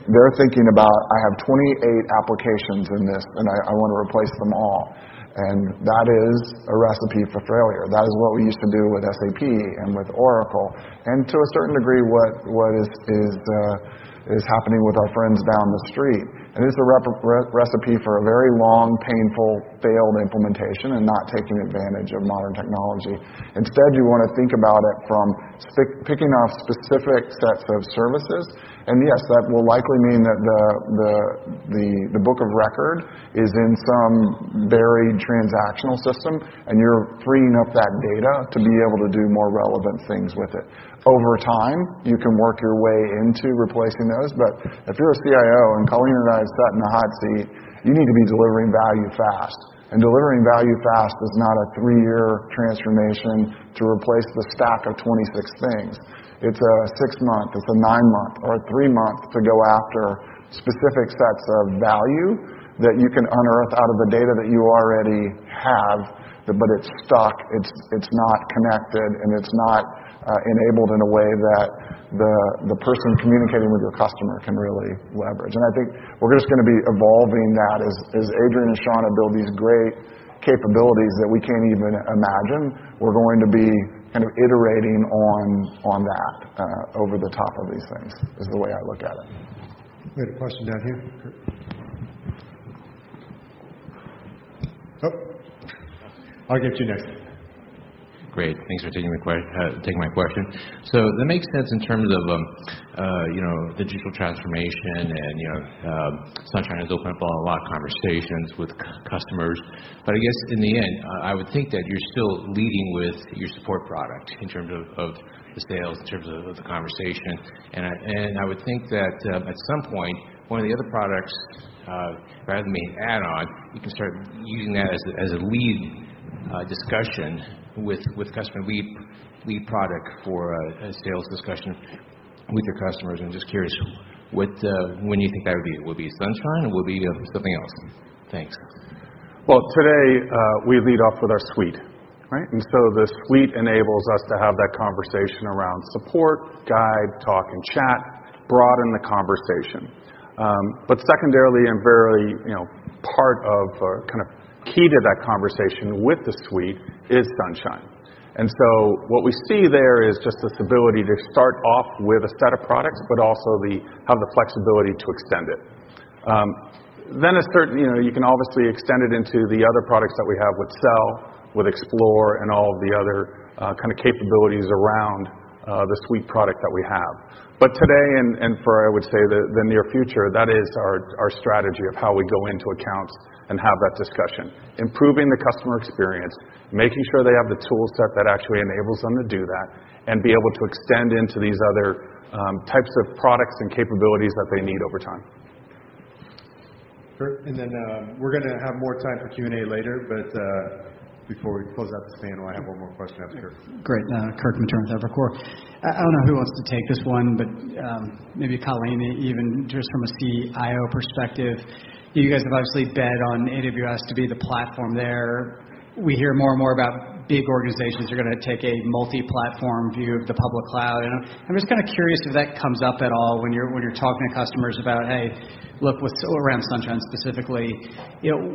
they're thinking about, "I have 28 applications in this, and I want to replace them all." That is a recipe for failure. That is what we used to do with SAP and with Oracle, to a certain degree, what is happening with our friends down the street. It is a recipe for a very long, painful, failed implementation and not taking advantage of modern technology. Instead, you want to think about it from picking off specific sets of services. Yes, that will likely mean that the book of record is in some very transactional system, and you're freeing up that data to be able to do more relevant things with it. Over time, you can work your way into replacing those. If you're a CIO and Colleen and I have sat in the hot seat, you need to be delivering value fast. Delivering value fast is not a three-year transformation to replace the stack of 26 things. It's a six-month, it's a nine-month, or a three-month to go after specific sets of value that you can unearth out of the data that you already have, but it's stuck, it's not connected, and it's not enabled in a way that the person communicating with your customer can really leverage. I think we're just going to be evolving that as Adrian and Shawna build these great capabilities that we can't even imagine. We're going to be kind of iterating on that, over the top of these things, is the way I look at it. We have a question down here. Oh. I'll get you next. Great. Thanks for taking my question. That makes sense in terms of digital transformation and Zendesk Sunshine has opened up a lot of conversations with customers. I guess in the end, I would think that you're still leading with your support product in terms of the sales, in terms of the conversation. I would think that at some point, one of the other products, rather than being an add-on, you can start using that as a lead discussion with customer lead product for a sales discussion with your customers. I'm just curious, when you think that would be? Would it be Zendesk Sunshine, or would it be something else? Thanks. Today, we lead off with our Zendesk Suite, right? The Zendesk Suite enables us to have that conversation around Support, Zendesk Guide, Zendesk Talk, and Zendesk Chat, broaden the conversation. Secondarily and verily part of or kind of key to that conversation with the Zendesk Suite is Zendesk Sunshine. What we see there is just this ability to start off with a set of products, but also have the flexibility to extend it. You can obviously extend it into the other products that we have with Zendesk Sell, with Zendesk Explore, and all of the other kind of capabilities around the Zendesk Suite product that we have. Today and for, I would say, the near future, that is our strategy of how we go into accounts and have that discussion. Improving the customer experience, making sure they have the tool set that actually enables them to do that, and be able to extend into these other types of products and capabilities that they need over time. Great. We're going to have more time for Q&A later, before we close out this panel, I have one more question. Yes, sir. Great. Kirk Materne from Evercore. I don't know who wants to take this one, but maybe Colleen, even just from a CIO perspective, you guys have obviously bet on AWS to be the platform there. We hear more and more about big organizations are going to take a multi-platform view of the public cloud, and I'm just kind of curious if that comes up at all when you're talking to customers about, «Hey, look,» or around Sunshine specifically.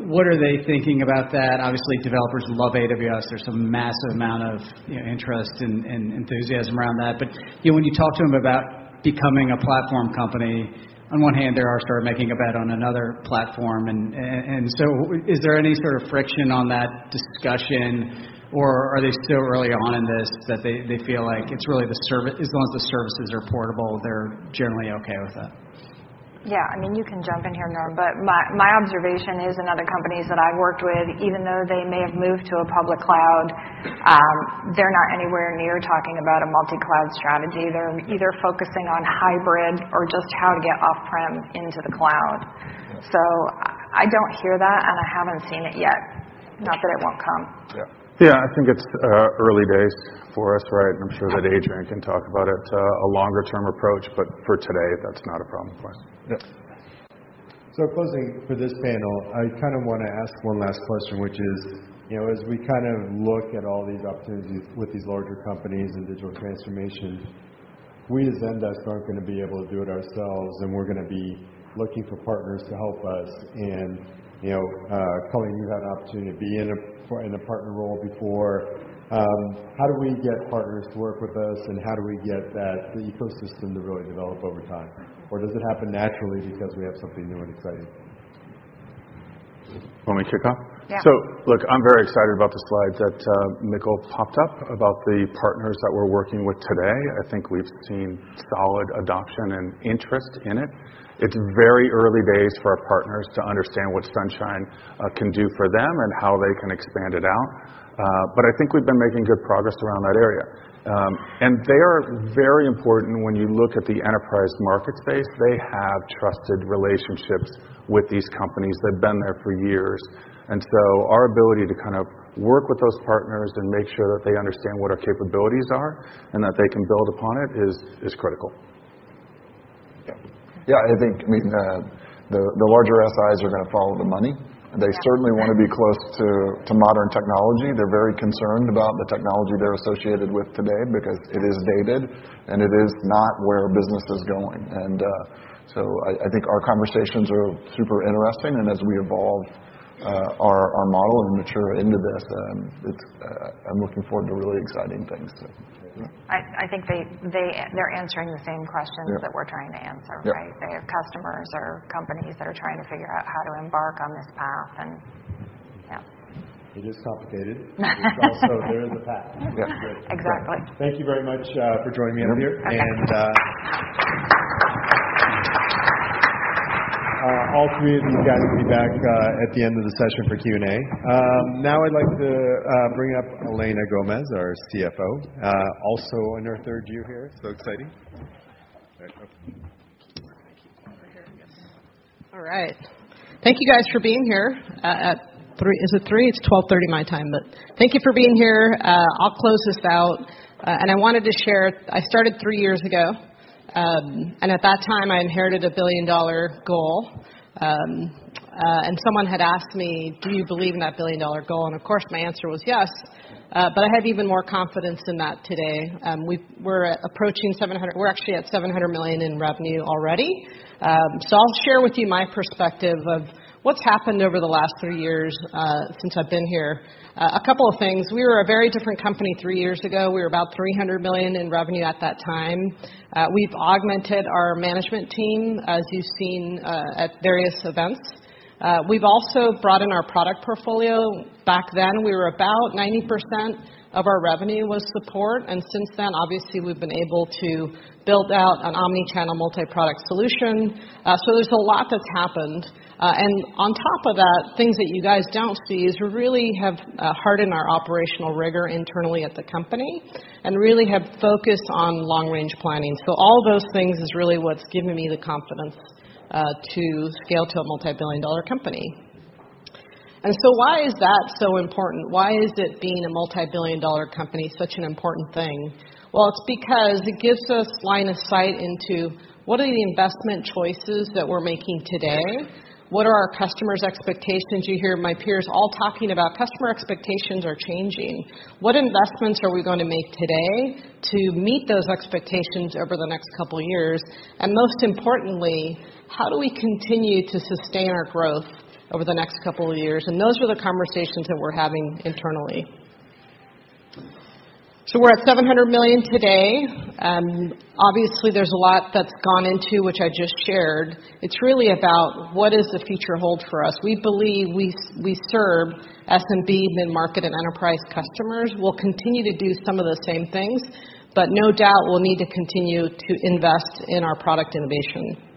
What are they thinking about that? Obviously, developers love AWS. There's some massive amount of interest and enthusiasm around that. When you talk to them about becoming a platform company, on one hand, they are sort of making a bet on another platform. Is there any sort of friction on that discussion, or are they still early on in this that they feel like as long as the services are portable, they're generally okay with that? Yeah. I mean, you can jump in here, Norm, my observation is in other companies that I've worked with, even though they may have moved to a public cloud, they're not anywhere near talking about a multi-cloud strategy. They're either focusing on hybrid or just how to get off-prem into the cloud. I don't hear that, and I haven't seen it yet. Not that it won't come. Yeah. I think it's early days for us, right? I'm sure that Adrian can talk about it, a longer-term approach, for today, that's not a problem for us. Yeah. Closing for this panel, I kind of want to ask one last question, which is, as we kind of look at all these opportunities with these larger companies and digital transformation We as Zendesk aren't going to be able to do it ourselves, and we're going to be looking for partners to help us. Colleen, you've had an opportunity to be in a partner role before. How do we get partners to work with us, and how do we get the ecosystem to really develop over time? Does it happen naturally because we have something new and exciting? Want me to kick off? Yeah. Look, I'm very excited about the slides that Mikkel popped up about the partners that we're working with today. I think we've seen solid adoption and interest in it. It's very early days for our partners to understand what Sunshine can do for them and how they can expand it out. I think we've been making good progress around that area. They are very important when you look at the enterprise market space. They have trusted relationships with these companies. They've been there for years. Our ability to work with those partners and make sure that they understand what our capabilities are, and that they can build upon it is critical. Yeah. Yeah, I think the larger SIs are going to follow the money. Yeah. They certainly want to be close to modern technology. They're very concerned about the technology they're associated with today because it is dated, and it is not where business is going. I think our conversations are super interesting, and as we evolve our model and mature into this, I'm looking forward to really exciting things. I think they're answering the same questions- Yeah that we're trying to answer, right? Yeah. They have customers or companies that are trying to figure out how to embark on this path, yeah. It is complicated. Also there is a path. Yeah. Exactly. Thank you very much for joining me up here. Okay. All three of these guys will be back at the end of the session for Q&A. Now I'd like to bring up Elena Gomez, our CFO. Also on her third year here, exciting. Thank you. Over here? Yes. All right. Thank you guys for being here. Is it 3:00? It's 12:30 my time, but thank you for being here. I'll close this out. I wanted to share, I started three years ago. At that time, I inherited a billion-dollar goal. Someone had asked me, "Do you believe in that billion-dollar goal?" Of course, my answer was yes. I have even more confidence in that today. We're actually at $700 million in revenue already. I'll share with you my perspective of what's happened over the last three years, since I've been here. A couple of things. We were a very different company three years ago. We were about $300 million in revenue at that time. We've augmented our management team, as you've seen at various events. We've also broadened our product portfolio. Back then, we were about 90% of our revenue was support, and since then, obviously, we've been able to build out an omni-channel multi-product solution. There's a lot that's happened. On top of that, things that you guys don't see is we really have hardened our operational rigor internally at the company, and really have focused on long-range planning. All those things is really what's given me the confidence to scale to a multi-billion dollar company. Why is that so important? Why is it being a multi-billion dollar company such an important thing? Well, it's because it gives us line of sight into what are the investment choices that we're making today? What are our customers' expectations? You hear my peers all talking about customer expectations are changing. What investments are we going to make today to meet those expectations over the next couple of years? Most importantly, how do we continue to sustain our growth over the next couple of years? Those are the conversations that we're having internally. We're at $700 million today. Obviously, there's a lot that's gone into, which I just shared. It's really about what does the future hold for us. We believe we serve SMB, mid-market, and enterprise customers. We'll continue to do some of the same things, but no doubt we'll need to continue to invest in our product innovation.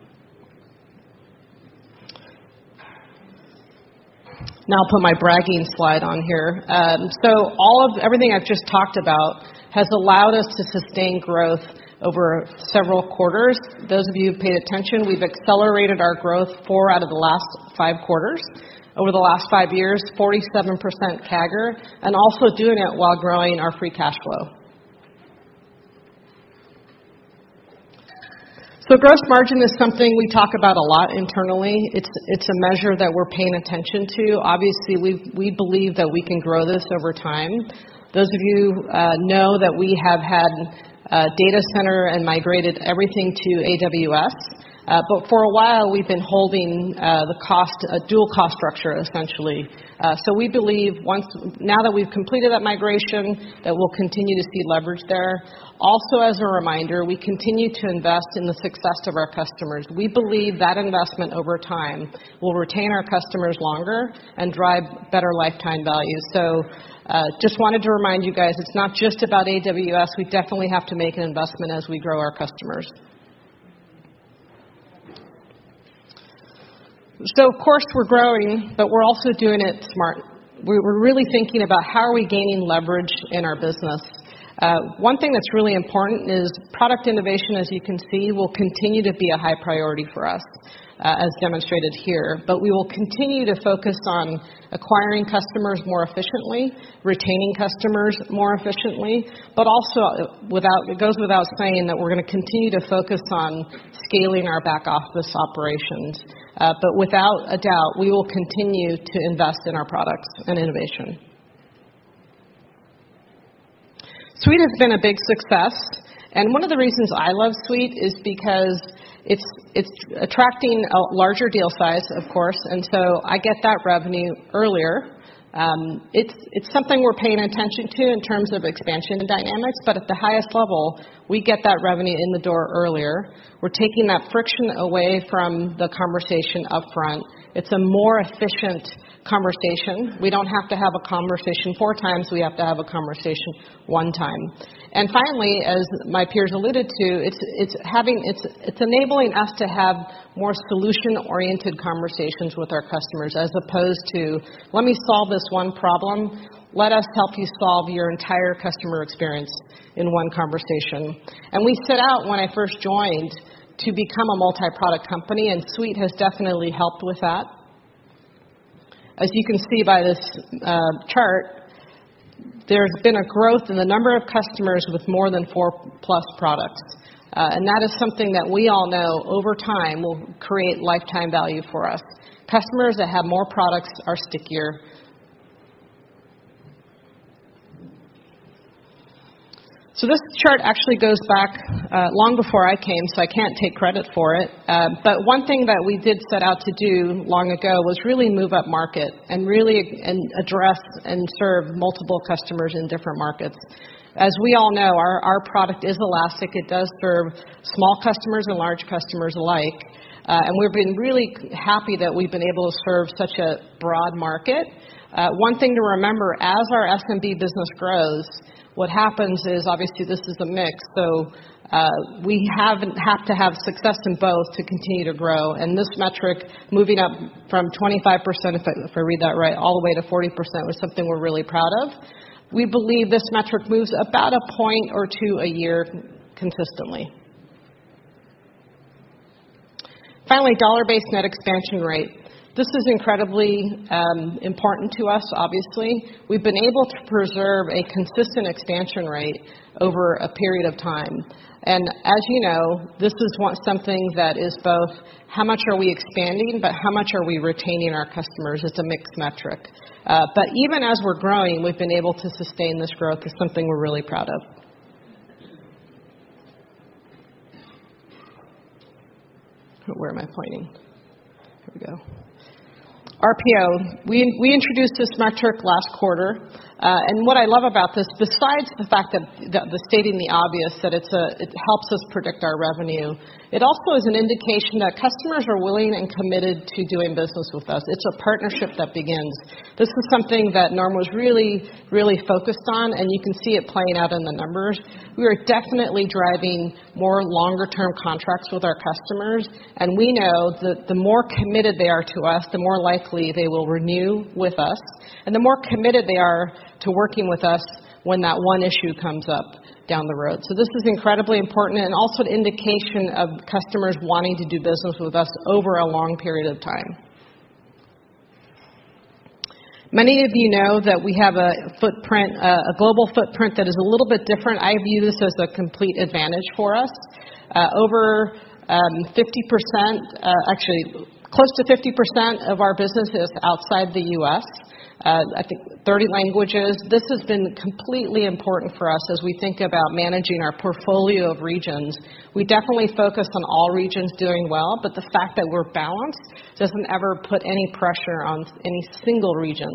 Now I'll put my bragging slide on here. Everything I've just talked about has allowed us to sustain growth over several quarters. Those of you who've paid attention, we've accelerated our growth four out of the last five quarters. Over the last five years, 47% CAGR, and also doing it while growing our free cash flow. Gross margin is something we talk about a lot internally. It's a measure that we're paying attention to. Obviously, we believe that we can grow this over time. Those of you know that we have had a data center and migrated everything to AWS. For a while, we've been holding a dual cost structure, essentially. We believe now that we've completed that migration, that we'll continue to see leverage there. Also, as a reminder, we continue to invest in the success of our customers. We believe that investment over time will retain our customers longer and drive better lifetime value. Just wanted to remind you guys, it's not just about AWS. We definitely have to make an investment as we grow our customers. Of course, we're growing, but we're also doing it smart. We're really thinking about how are we gaining leverage in our business. One thing that's really important is product innovation, as you can see, will continue to be a high priority for us, as demonstrated here. We will continue to focus on acquiring customers more efficiently, retaining customers more efficiently, but also it goes without saying that we're going to continue to focus on scaling our back office operations. Without a doubt, we will continue to invest in our products and Zendesk Suite has been a big success, and one of the reasons I love Suite is because it's attracting a larger deal size, of course, and so I get that revenue earlier. It's something we're paying attention to in terms of expansion dynamics, but at the highest level, we get that revenue in the door earlier. We're taking that friction away from the conversation up front. It's a more efficient conversation. We don't have to have a conversation four times, we have to have a conversation one time. Finally, as my peers alluded to, it's enabling us to have more solution-oriented conversations with our customers as opposed to, "Let me solve this one problem." "Let us help you solve your entire customer experience in one conversation." We set out when I first joined to become a multi-product company, and Suite has definitely helped with that. As you can see by this chart, there's been a growth in the number of customers with more than four-plus products. That is something that we all know over time will create lifetime value for us. Customers that have more products are stickier. This chart actually goes back long before I came, so I can't take credit for it. One thing that we did set out to do long ago was really move upmarket and address and serve multiple customers in different markets. As we all know, our product is elastic. It does serve small customers and large customers alike. We've been really happy that we've been able to serve such a broad market. One thing to remember, as our SMB business grows, what happens is, obviously, this is a mix, so we have to have success in both to continue to grow. This metric moving up from 25%, if I read that right, all the way to 40% was something we're really proud of. We believe this metric moves about a point or two a year consistently. Finally, dollar-based net expansion rate. This is incredibly important to us, obviously. We've been able to preserve a consistent expansion rate over a period of time. As you know, this is something that is both how much are we expanding, but how much are we retaining our customers? It's a mixed metric. Even as we're growing, we've been able to sustain this growth is something we're really proud of. Where am I pointing? Here we go. RPO. We introduced this metric last quarter. What I love about this, besides the fact that the stating the obvious, that it helps us predict our revenue, it also is an indication that customers are willing and committed to doing business with us. It's a partnership that begins. This is something that Norm was really, really focused on, and you can see it playing out in the numbers. We are definitely driving more longer-term contracts with our customers, we know that the more committed they are to us, the more likely they will renew with us. The more committed they are to working with us when that one issue comes up down the road. This is incredibly important and also an indication of customers wanting to do business with us over a long period of time. Many of you know that we have a global footprint that is a little bit different. I view this as a complete advantage for us. Over 50%, actually close to 50% of our business is outside the U.S. I think 30 languages. This has been completely important for us as we think about managing our portfolio of regions. We definitely focus on all regions doing well, the fact that we're balanced doesn't ever put any pressure on any single region.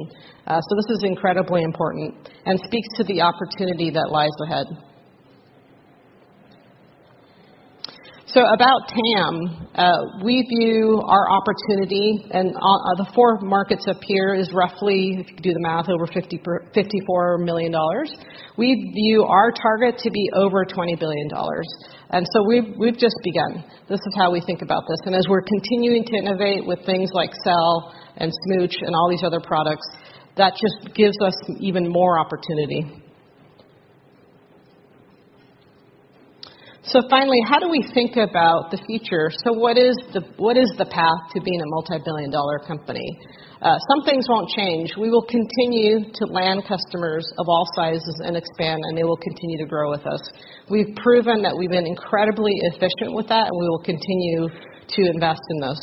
This is incredibly important and speaks to the opportunity that lies ahead. About TAM, we view our opportunity and the four markets up here as roughly, if you do the math, over $54 million. We view our target to be over $20 billion. We've just begun. This is how we think about this. As we're continuing to innovate with things like Sell and Smooch and all these other products, that just gives us even more opportunity. Finally, how do we think about the future? What is the path to being a multi-billion dollar company? Some things won't change. We will continue to land customers of all sizes and expand, they will continue to grow with us. We've proven that we've been incredibly efficient with that, we will continue to invest in this.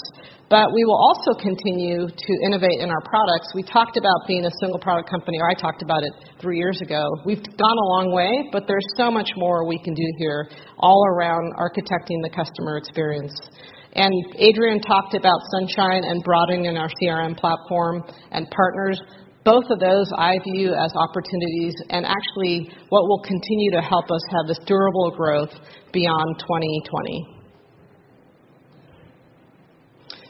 We will also continue to innovate in our products. We talked about being a single product company, or I talked about it three years ago. We've gone a long way, there's so much more we can do here all around architecting the customer experience. Adrian talked about Sunshine and broadening in our CRM platform and partners. Both of those I view as opportunities and actually what will continue to help us have this durable growth beyond 2020.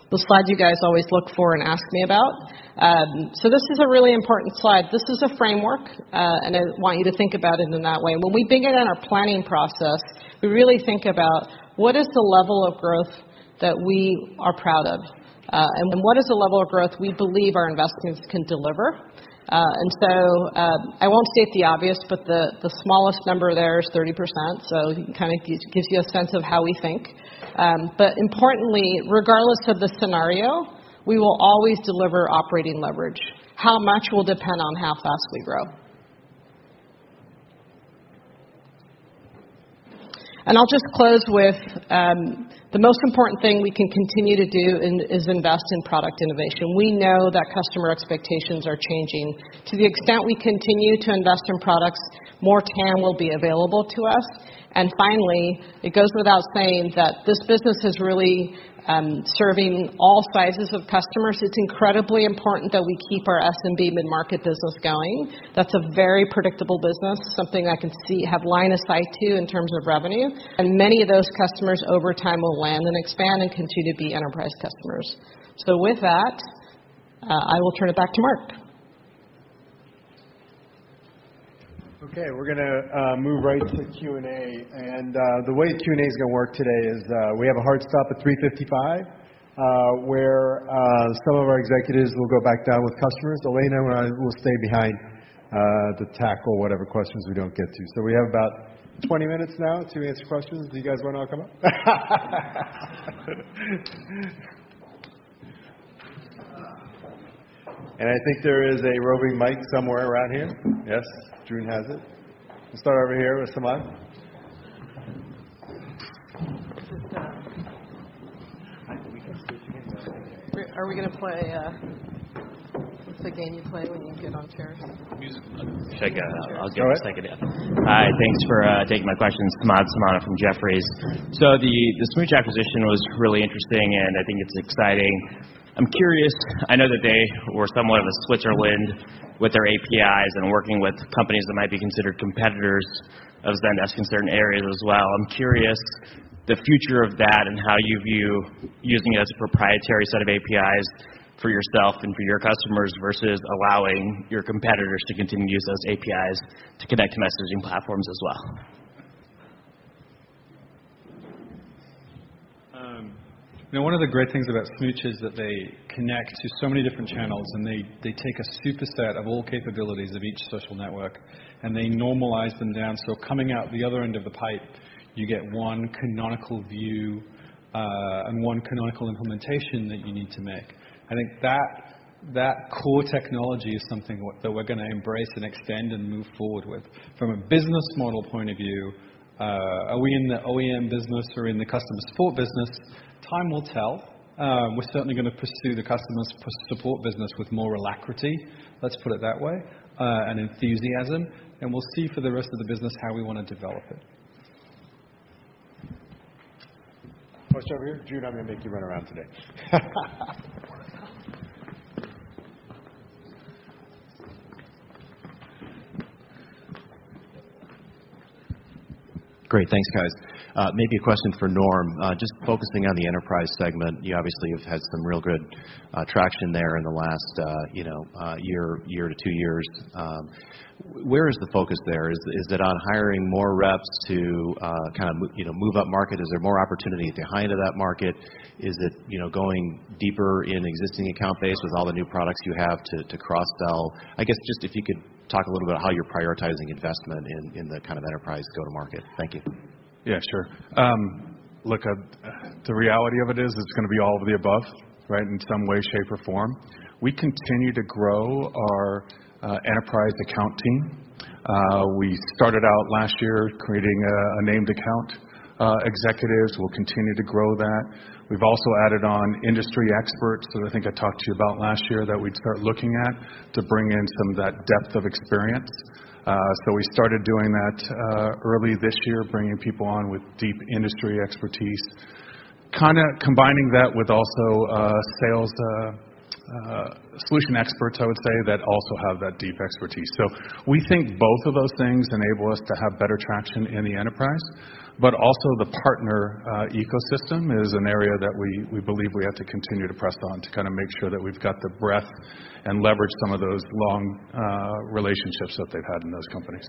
The slide you guys always look for and ask me about. This is a really important slide. This is a framework, I want you to think about it in that way. When we think about our planning process, we really think about what is the level of growth that we are proud of? What is the level of growth we believe our investments can deliver? I won't state the obvious, but the smallest number there is 30%, so it kind of gives you a sense of how we think. Importantly, regardless of the scenario, we will always deliver operating leverage. How much will depend on how fast we grow. I'll just close with, the most important thing we can continue to do is invest in product innovation. We know that customer expectations are changing. To the extent we continue to invest in products, more TAM will be available to us. Finally, it goes without saying that this business is really serving all sizes of customers. It's incredibly important that we keep our SMB mid-market business going. That's a very predictable business, something I can have line of sight to in terms of revenue. Many of those customers over time will land and expand and continue to be enterprise customers. With that, I will turn it back to Marc. Okay. We're going to move right to the Q&A. The way Q&A is going to work today is, we have a hard stop at 3:55 P.M., where some of our executives will go back down with customers. Elena and I will stay behind, to tackle whatever questions we don't get to. We have about 20 minutes now to answer questions. Do you guys want to all come up? I think there is a roving mic somewhere around here. Yes, June has it. We'll start over here with Samad. It's just I think we can switch again. Are we going to play What's the game you play when you get on chairs? Musical clubs. Should I go? Go ahead. I'll just take it up. Hi, thanks for taking my questions. Samad Samana from Jefferies. The Smooch acquisition was really interesting, and I think it's exciting. I'm curious, I know that they were somewhat of a Switzerland with their APIs and working with companies that might be considered competitors of Zendesk in certain areas as well. I'm curious the future of that and how you view using it as a proprietary set of APIs for yourself and for your customers versus allowing your competitors to continue to use those APIs to connect messaging platforms as well. One of the great things about Smooch is that they connect to so many different channels, and they take a superset of all capabilities of each social network, and they normalize them down. Coming out the other end of the pipe, you get one canonical view, and one canonical implementation that you need to make. I think that core technology is something that we're going to embrace and extend and move forward with. From a business model point of view, are we in the OEM business or are we in the customer support business? Time will tell. We're certainly going to pursue the customer support business with more alacrity, let's put it that way, and enthusiasm. We'll see for the rest of the business how we want to develop it. Question over here. June, I'm going to make you run around today. Great. Thanks, guys. Maybe a question for Norm, just focusing on the enterprise segment. You obviously have had some real good traction there in the last year to two years. Where is the focus there? Is it on hiring more reps to move up market? Is there more opportunity at the high end of that market? Is it going deeper in existing account base with all the new products you have to cross-sell? I guess just if you could talk a little bit how you're prioritizing investment in the kind of enterprise go-to-market. Thank you. Yeah, sure. Look, the reality of it is, it's going to be all of the above, right? In some way, shape, or form. We continue to grow our enterprise account team. We started out last year creating named account executives. We'll continue to grow that. We've also added on industry experts that I think I talked to you about last year that we'd start looking at to bring in some of that depth of experience. We started doing that early this year, bringing people on with deep industry expertise, combining that with also sales solution experts, I would say, that also have that deep expertise. We think both of those things enable us to have better traction in the enterprise. Also the partner ecosystem is an area that we believe we have to continue to press on to kind of make sure that we've got the breadth and leverage some of those long relationships that they've had in those companies.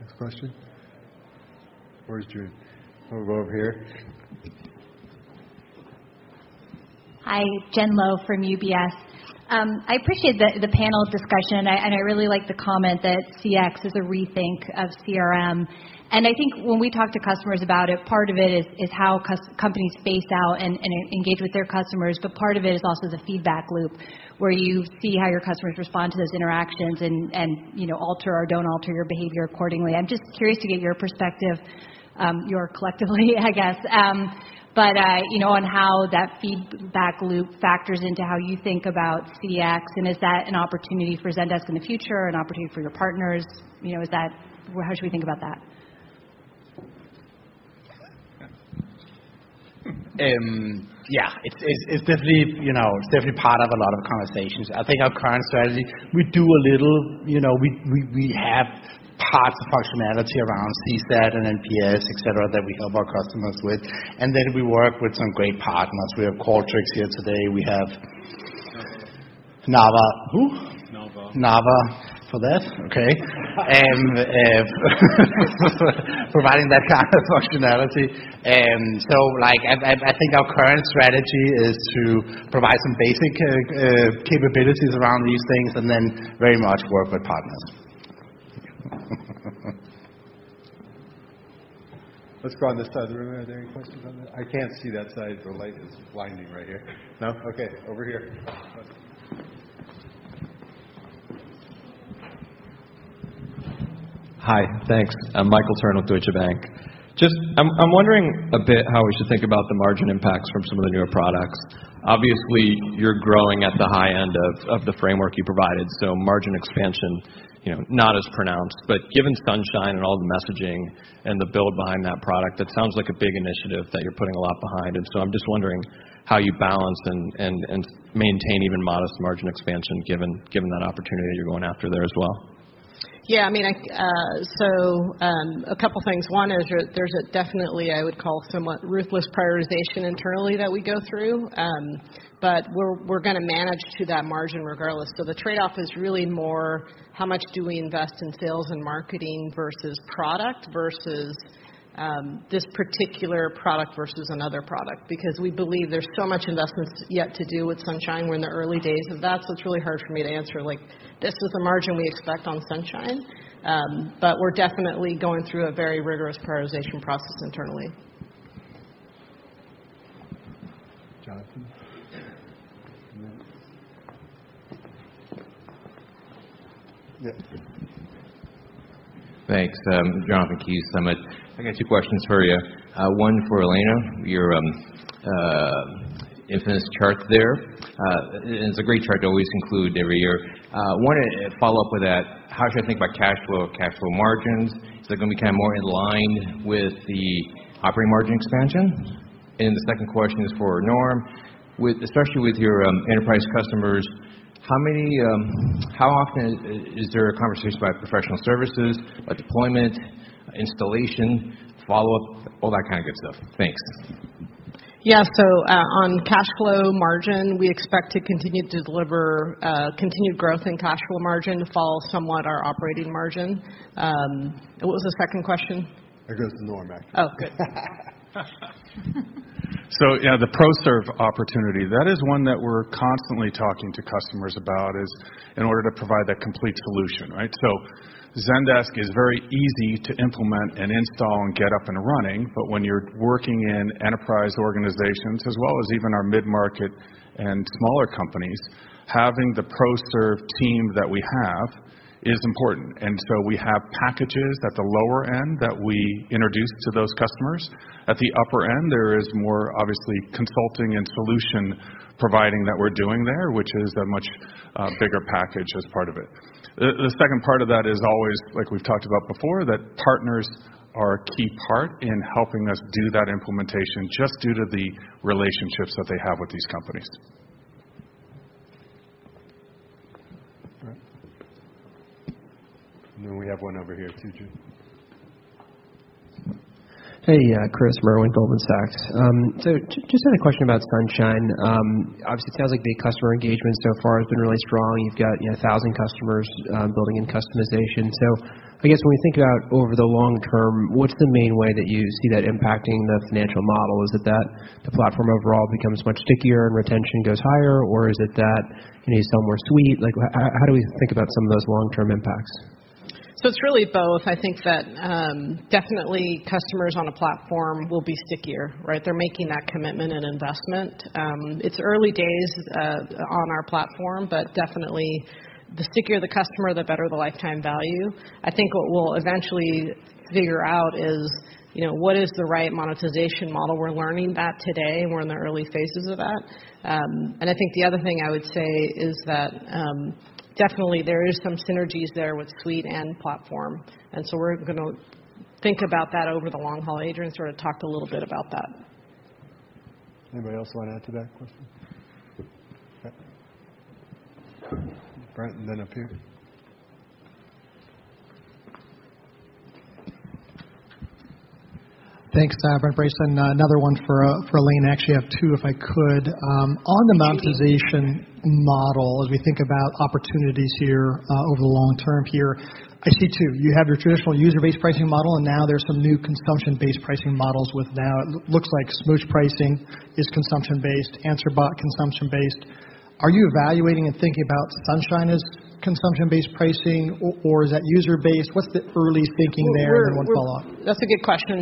Next question. Where's June? We'll go over here. Hi. Jennifer Lowe from UBS. I appreciate the panel's discussion, I really like the comment that CX is a rethink of CRM. I think when we talk to customers about it, part of it is how companies face out and engage with their customers. Part of it is also the feedback loop where you see how your customers respond to those interactions and alter or don't alter your behavior accordingly. I'm just curious to get your perspective, your collectively, I guess. On how that feedback loop factors into how you think about CX, is that an opportunity for Zendesk in the future, an opportunity for your partners? How should we think about that? Yeah, it's definitely part of a lot of conversations. I think our current strategy, we do a little. We have parts of functionality around CSAT and NPS, et cetera, that we help our customers with. Then we work with some great partners. We have Qualtrics here today. We have Narvar. Who? Narvar. Narvar for that. Okay. Providing that kind of functionality. Like, I think our current strategy is to provide some basic capabilities around these things and then very much work with partners. Let's go on this side of the room. Are there any questions on that? I can't see that side. The light is blinding right here. No? Okay, over here. Hi, thanks. I'm Michael Turrin with Deutsche Bank. I'm wondering a bit how we should think about the margin impacts from some of the newer products. Obviously, you're growing at the high end of the framework you provided, margin expansion, not as pronounced. Given Zendesk Sunshine and all the messaging and the build behind that product, that sounds like a big initiative that you're putting a lot behind. I'm just wondering how you balance and maintain even modest margin expansion given that opportunity you're going after there as well. Yeah. A couple things. One is there's a definitely, I would call, somewhat ruthless prioritization internally that we go through. We're going to manage to that margin regardless. The trade-off is really more how much do we invest in sales and marketing versus product versus this particular product versus another product. We believe there's so much investments yet to do with Zendesk Sunshine. We're in the early days of that, it's really hard for me to answer like, "This is the margin we expect on Zendesk Sunshine." We're definitely going through a very rigorous prioritization process internally. Jonathan? Yes. Thanks. Jonathan Kees, Summit. I got two questions for you. One for Elena. Your infamous chart there. It is a great chart to always conclude every year. Wanted to follow up with that. How should I think about cash flow, cash flow margins? Is that going to be more in line with the operating margin expansion? The second question is for Norm. Especially with your enterprise customers, how often is there a conversation about professional services, a deployment, installation, follow-up, all that kind of good stuff? Thanks. Yeah. On cash flow margin, we expect to continue to deliver continued growth in cash flow margin to follow somewhat our operating margin. What was the second question? That goes to Norm, actually. Oh, good. Yeah, the pro serve opportunity. That is one that we're constantly talking to customers about is in order to provide that complete solution, right? Zendesk is very easy to implement and install and get up and running, but when you're working in enterprise organizations as well as even our mid-market and smaller companies, having the pro serve team that we have is important. We have packages at the lower end that we introduce to those customers. At the upper end, there is more obviously consulting and solution providing that we're doing there, which is a much bigger package as part of it. The second part of that is always, like we've talked about before, that partners are a key part in helping us do that implementation just due to the relationships that they have with these companies. All right. Then we have one over here too, Jim. Hey, Chris Merwin, Goldman Sachs. Just had a question about Sunshine. Obviously, it sounds like the customer engagement so far has been really strong. You've got 1,000 customers building in customization. I guess when we think about over the long term, what's the main way that you see that impacting the financial model? Is it that the platform overall becomes much stickier and retention goes higher? Or is it that you sell more Suite? How do we think about some of those long-term impacts? It's really both. I think that definitely customers on a platform will be stickier, right? They're making that commitment and investment. It's early days on our platform, but definitely the stickier the customer, the better the lifetime value. I think what we'll eventually figure out is, what is the right monetization model? We're learning that today, and we're in the early phases of that. I think the other thing I would say is that, definitely there is some synergies there with Suite and Platform. We're going to think about that over the long haul. Adrian sort of talked a little bit about that. Anybody else want to add to that question? Brett, then up here. Thanks, Brett Bracelin. Another one for Elena. Actually, I have two if I could. On the monetization model, as we think about opportunities over the long term, I see two. You have your traditional user-based pricing model. Now there's some new consumption-based pricing models. Smooch pricing is consumption-based, Answer Bot, consumption-based. Are you evaluating and thinking about Zendesk Sunshine as consumption-based pricing, or is that user-based? What's the early thinking there and what's the logic? That's a good question.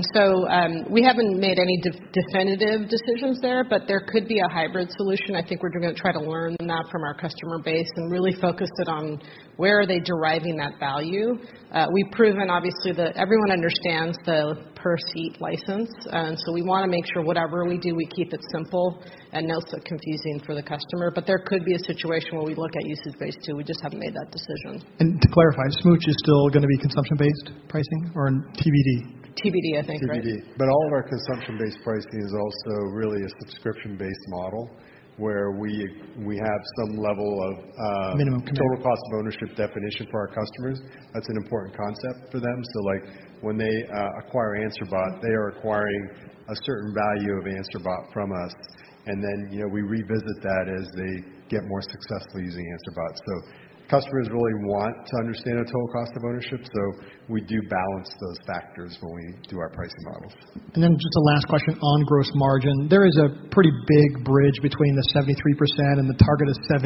We haven't made any definitive decisions there, but there could be a hybrid solution. I think we're going to try to learn that from our customer base and really focus it on where are they deriving that value. We've proven, obviously, that everyone understands the per-seat license. We want to make sure whatever we do, we keep it simple and not so confusing for the customer. There could be a situation where we look at usage-based too. We just haven't made that decision. To clarify, Smooch is still going to be consumption-based pricing or TBD? TBD, I think, right? TBD. All of our consumption-based pricing is also really a subscription-based model, where we have some level of- Minimum commitment total cost of ownership definition for our customers. That's an important concept for them. Like when they acquire Answer Bot, they are acquiring a certain value of Answer Bot from us, and then we revisit that as they get more successful using Answer Bot. Customers really want to understand the total cost of ownership. We do balance those factors when we do our pricing model. Just a last question on gross margin. There is a pretty big bridge between the 73% and the target of 78%,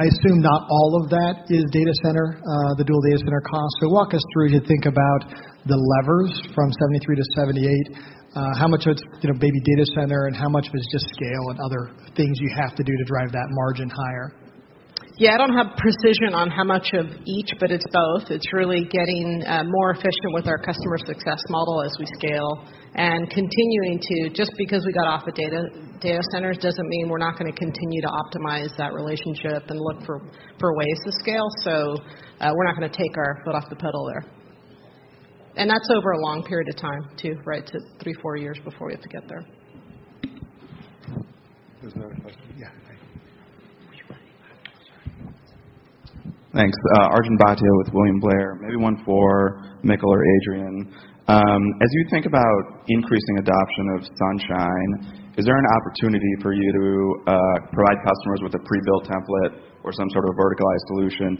I assume not all of that is data center, the dual data center cost. Walk us through to think about the levers from 73%-78%. How much of it's maybe data center and how much was just scale and other things you have to do to drive that margin higher? Yeah, I don't have precision on how much of each, but it's both. It's really getting more efficient with our customer success model as we scale. Continuing to, just because we got off the data centers, doesn't mean we're not going to continue to optimize that relationship and look for ways to scale. We're not going to take our foot off the pedal there. That's over a long period of time, too, right, to 3, 4 years before we have to get there. There's another question. Yeah. Thanks. Arjun Bhatia with William Blair. Maybe one for Mikkel or Adrian. As you think about increasing adoption of Sunshine, is there an opportunity for you to provide customers with a pre-built template or some sort of verticalized solution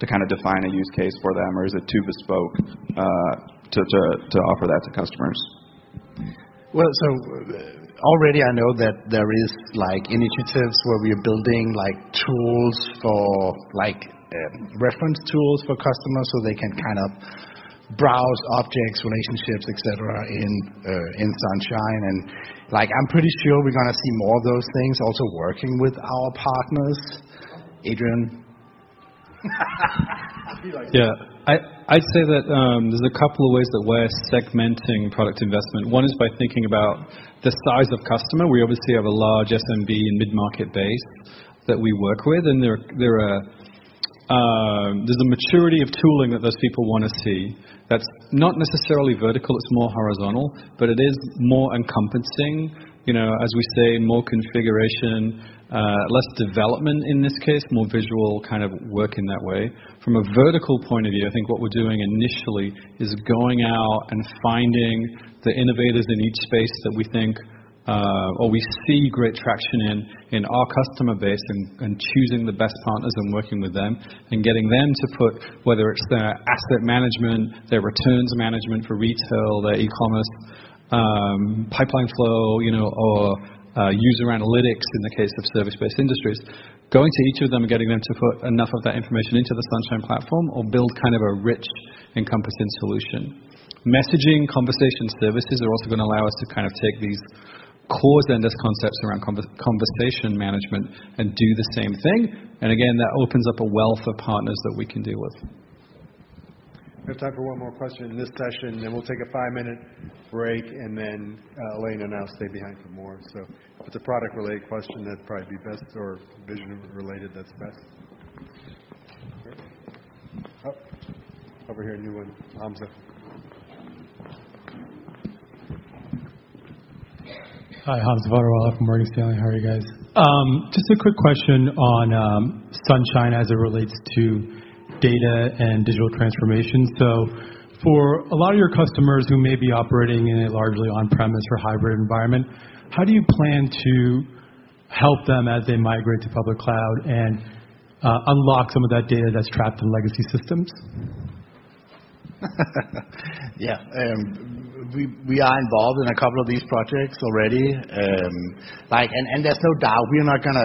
to kind of define a use case for them? Or is it too bespoke to offer that to customers? Already I know that there is initiatives where we are building reference tools for customers, so they can kind of browse objects, relationships, et cetera, in Sunshine. I'm pretty sure we're going to see more of those things also working with our partners. Adrian? He likes it. Yeah. I'd say that there's a couple of ways that we're segmenting product investment. One is by thinking about the size of customer. We obviously have a large SMB and mid-market base that we work with, and there's a maturity of tooling that those people want to see that's not necessarily vertical, it's more horizontal. It is more encompassing, as we say, more configuration, less development in this case, more visual kind of work in that way. From a vertical point of view, I think what we're doing initially is going out and finding the innovators in each space that we think, or we see great traction in our customer base, and choosing the best partners and working with them. Getting them to put, whether it's their asset management, their returns management for retail, their e-commerce pipeline flow, or user analytics in the case of service-based industries. Going to each of them and getting them to put enough of that information into the Sunshine platform or build kind of a rich, encompassing solution. Messaging conversation services are also going to allow us to kind of take these core Zendesk concepts around conversation management and do the same thing. Again, that opens up a wealth of partners that we can deal with. We have time for one more question in this session, then we'll take a five-minute break, and then Elena and I will stay behind for more. If it's a product-related question, that'd probably be best, or vision-related, that's best. Great. Oh, over here, a new one. Hamza. Hi, Hamza Fodderwala from Morgan Stanley. How are you guys? Just a quick question on Sunshine as it relates to data and digital transformation. For a lot of your customers who may be operating in a largely on-premise or hybrid environment, how do you plan to help them as they migrate to public cloud and unlock some of that data that's trapped in legacy systems? Yeah. We are involved in a couple of these projects already. There's no doubt we're not going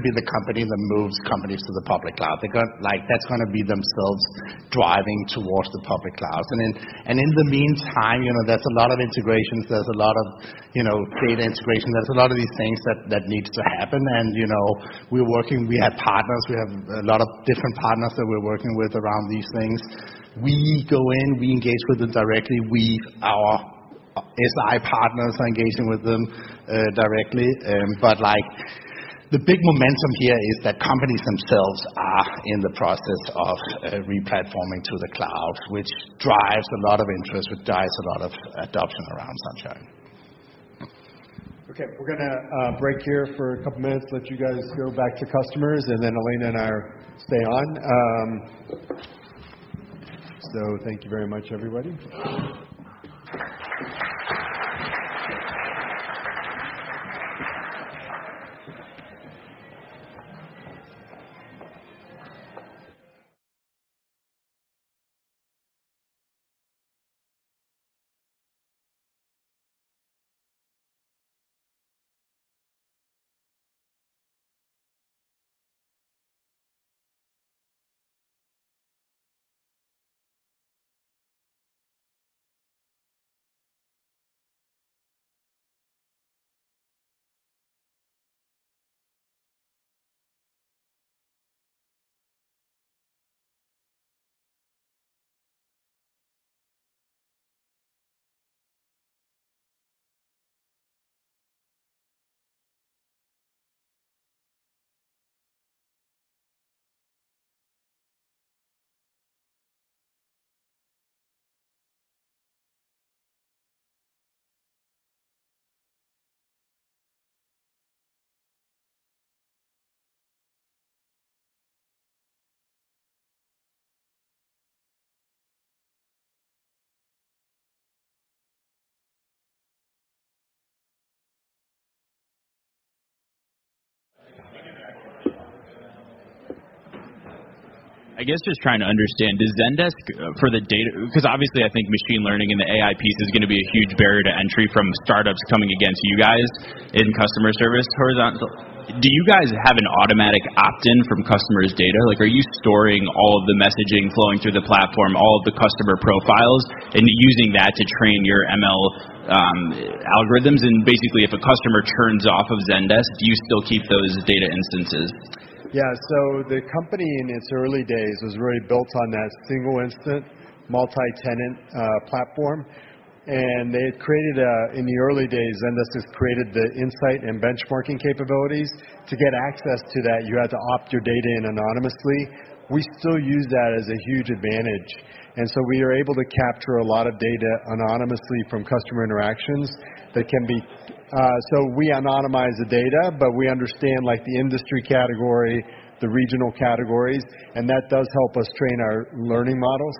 to be the company that moves companies to the public cloud. That's going to be themselves driving towards the public cloud. In the meantime, there's a lot of integrations, there's a lot of data integration, there's a lot of these things that needs to happen and we are working. We have partners, we have a lot of different partners that we're working with around these things. We go in, we engage with them directly. Our SI partners are engaging with them directly. The big momentum here is that companies themselves are in the process of re-platforming to the cloud, which drives a lot of interest. Which drives a lot of adoption around Sunshine. We're going to break here for a couple of minutes, let you guys go back to customers, and then Elena and I stay on. Thank you very much, everybody. I guess just trying to understand, does Zendesk, for the data because obviously, I think machine learning and the AI piece is going to be a huge barrier to entry from startups coming against you guys in customer service horizontal. Do you guys have an automatic opt-in from customers' data? Are you storing all of the messaging flowing through the platform, all of the customer profiles, and using that to train your ML algorithms? Basically, if a customer churns off of Zendesk, do you still keep those data instances? Yeah. The company in its early days was really built on that single instant multi-tenant platform. In the early days, Zendesk just created the insight and benchmarking capabilities. To get access to that, you had to opt your data in anonymously. We still use that as a huge advantage. We are able to capture a lot of data anonymously from customer interactions. We anonymize the data, but we understand the industry category, the regional categories, and that does help us train our learning models.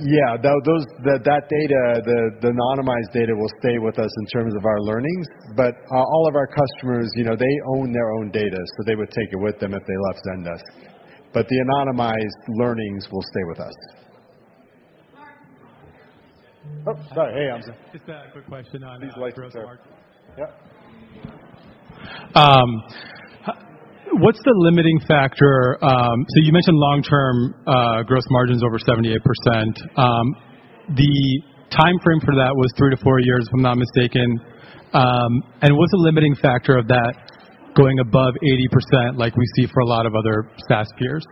Yeah, that data, the anonymized data, will stay with us in terms of our learnings. All of our customers, they own their own data. They would take it with them if they left Zendesk. The anonymized learnings will stay with us. Oh, sorry. Hey, Hamza. Just a quick question on gross margin. These lights are Yep. What's the limiting factor? You mentioned long term gross margin's over 78%. The timeframe for that was three to four years, if I'm not mistaken. What's the limiting factor of that going above 80%, like we see for a lot of other SaaS peers?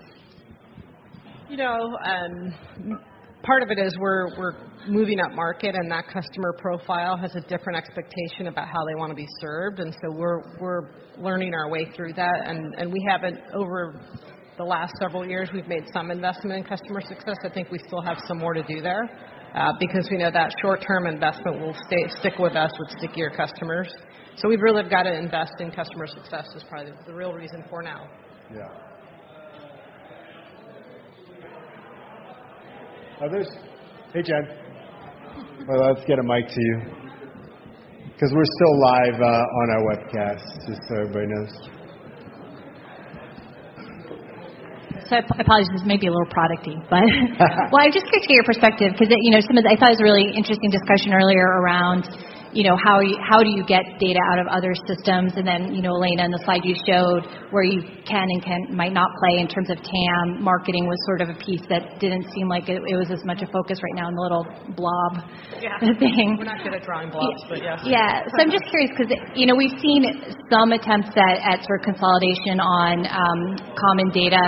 Part of it is we're moving up market, and that customer profile has a different expectation about how they want to be served. We're learning our way through that. We haven't, over the last several years, we've made some investment in customer success. I think we still have some more to do there, because we know that short-term investment will stick with us with stickier customers. We've really got to invest in customer success is probably the real reason for now. Yeah. Others? Hey, Jen. Let's get a mic to you, because we're still live on our webcast, just so everybody knows. I apologize, this may be a little producty, but Well, I'm just curious to get your perspective because I thought it was a really interesting discussion earlier around how do you get data out of other systems and then, Elena, on the slide you showed where you can and might not play in terms of TAM, marketing was sort of a piece that didn't seem like it was as much a focus right now in the little blob thing. Yeah. We're not good at drawing blobs, but yeah. I'm just curious because we've seen some attempts at sort of consolidation on common data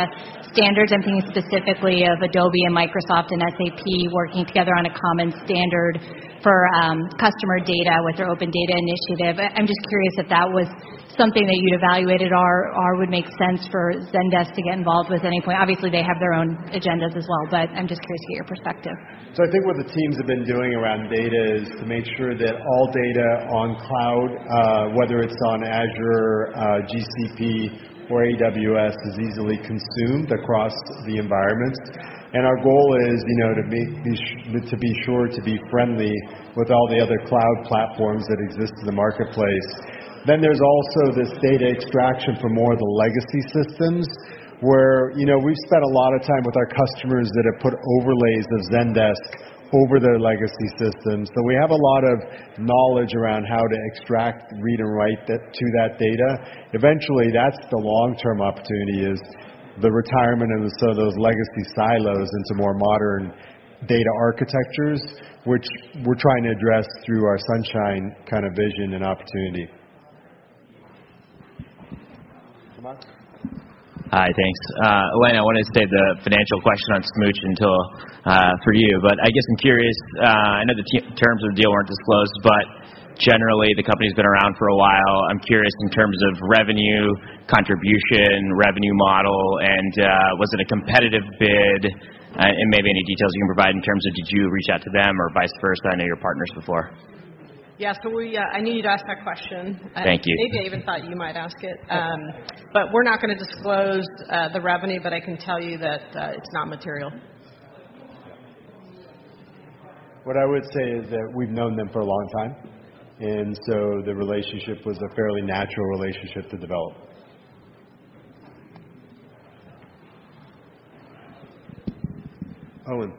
standards. I'm thinking specifically of Adobe and Microsoft and SAP working together on a common standard for customer data with their Open Data Initiative. I'm just curious if that was something that you'd evaluated or would make sense for Zendesk to get involved with at any point. Obviously, they have their own agendas as well, but I'm just curious to get your perspective. I think what the teams have been doing around data is to make sure that all data on cloud, whether it's on Azure, GCP, or AWS, is easily consumed across the environments. Our goal is to be sure to be friendly with all the other cloud platforms that exist in the marketplace. There's also this data extraction for more of the legacy systems, where we've spent a lot of time with our customers that have put overlays of Zendesk over their legacy systems. We have a lot of knowledge around how to extract, read and write to that data. Eventually, that's the long-term opportunity is the retirement of those legacy silos into more modern data architectures, which we're trying to address through our Zendesk Sunshine kind of vision and opportunity. Tom? Hi. Thanks. Elena, I want to save the financial question on Smooch for you. I guess I'm curious, I know the terms of the deal weren't disclosed, but generally the company's been around for a while. I'm curious in terms of revenue contribution, revenue model, and was it a competitive bid, and maybe any details you can provide in terms of did you reach out to them or vice versa? I know you were partners before. Yes. I knew you'd ask that question. Thank you. I even thought you might ask it. We're not going to disclose the revenue, but I can tell you that it's not material. What I would say is that we've known them for a long time, and so the relationship was a fairly natural relationship to develop. Owen.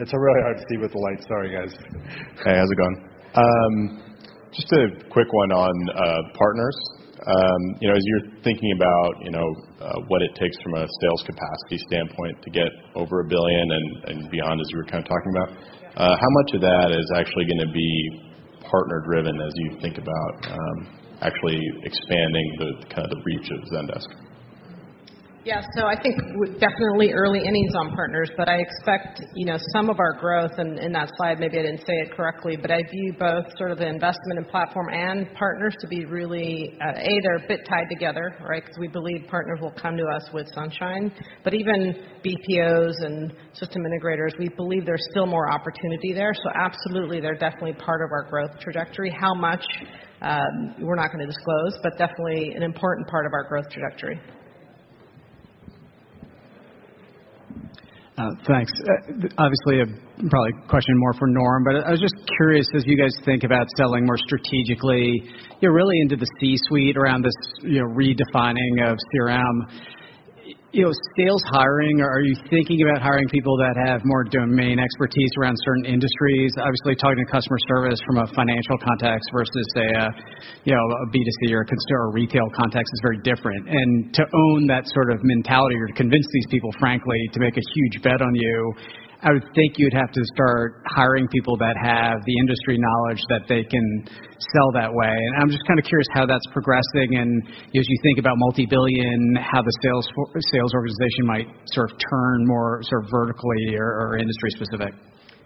It's really hard to see with the lights. Sorry, guys. Hey, how's it going? Just a quick one on partners. As you're thinking about what it takes from a sales capacity standpoint to get over a billion and beyond, as you were kind of talking about, how much of that is actually going to be partner driven as you think about actually expanding the reach of Zendesk? I think definitely early innings on partners, but I expect some of our growth, and in that slide maybe I didn't say it correctly, but I view both sort of the investment in platform and partners to be really, A, they're a bit tied together, right? Because we believe partners will come to us with Zendesk Sunshine. Even BPOs and system integrators, we believe there's still more opportunity there. Absolutely, they're definitely part of our growth trajectory. How much, we're not going to disclose, but definitely an important part of our growth trajectory. Thanks. Obviously, probably a question more for Norm, but I was just curious as you guys think about selling more strategically, you're really into the C-suite around this redefining of CRM.Sales hiring, are you thinking about hiring people that have more domain expertise around certain industries? Obviously, talking to customer service from a financial context versus, say, a B2C or consumer retail context is very different. To own that sort of mentality or to convince these people, frankly, to make a huge bet on you, I would think you'd have to start hiring people that have the industry knowledge that they can sell that way. I'm just kind of curious how that's progressing and as you think about multi-billion, how the sales organization might sort of turn more vertically or industry specific.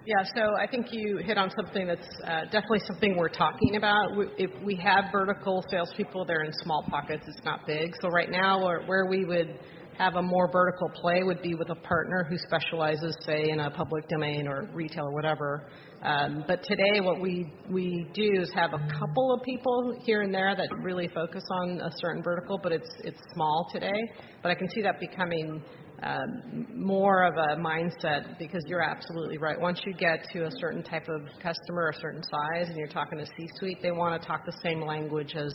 I think you hit on something that's definitely something we're talking about. We have vertical salespeople. They're in small pockets. It's not big. Right now, where we would have a more vertical play would be with a partner who specializes, say, in a public domain or retail or whatever. Today, what we do is have a couple of people here and there that really focus on a certain vertical, but it's small today. I can see that becoming more of a mindset because you're absolutely right. Once you get to a certain type of customer, a certain size, and you're talking to C-suite, they want to talk the same language as.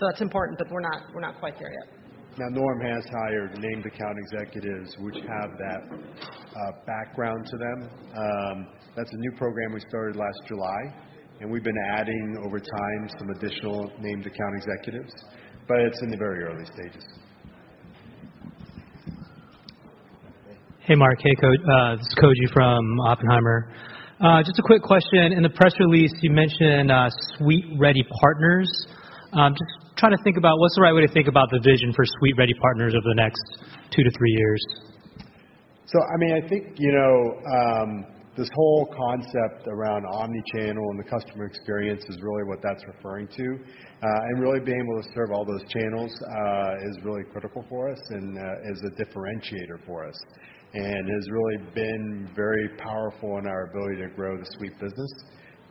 That's important, but we're not quite there yet. Norm has hired named account executives which have that background to them. That's a new program we started last July, we've been adding over time some additional named account executives, but it's in the very early stages. Hey, Marc. Hey, Koji. This is Koji from Oppenheimer. Just a quick question. In the press release, you mentioned Suite-ready partners. Just trying to think about what's the right way to think about the vision for Suite-ready partners over the next two to three years. I think this whole concept around omni-channel and the customer experience is really what that's referring to. Really being able to serve all those channels is really critical for us and is a differentiator for us, and has really been very powerful in our ability to grow the Suite business.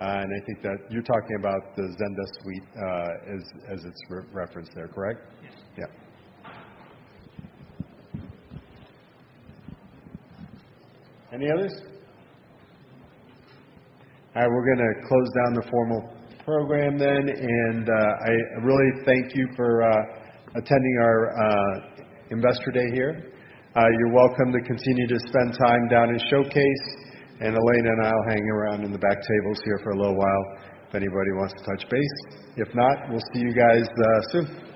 I think that you're talking about the Zendesk Suite as it's referenced there, correct? Yes. Yeah. Any others? All right, we're going to close down the formal program then. I really thank you for attending our Investor Day here. You're welcome to continue to spend time down in showcase, and Elena and I will hang around in the back tables here for a little while if anybody wants to touch base. If not, we'll see you guys soon. Thank you.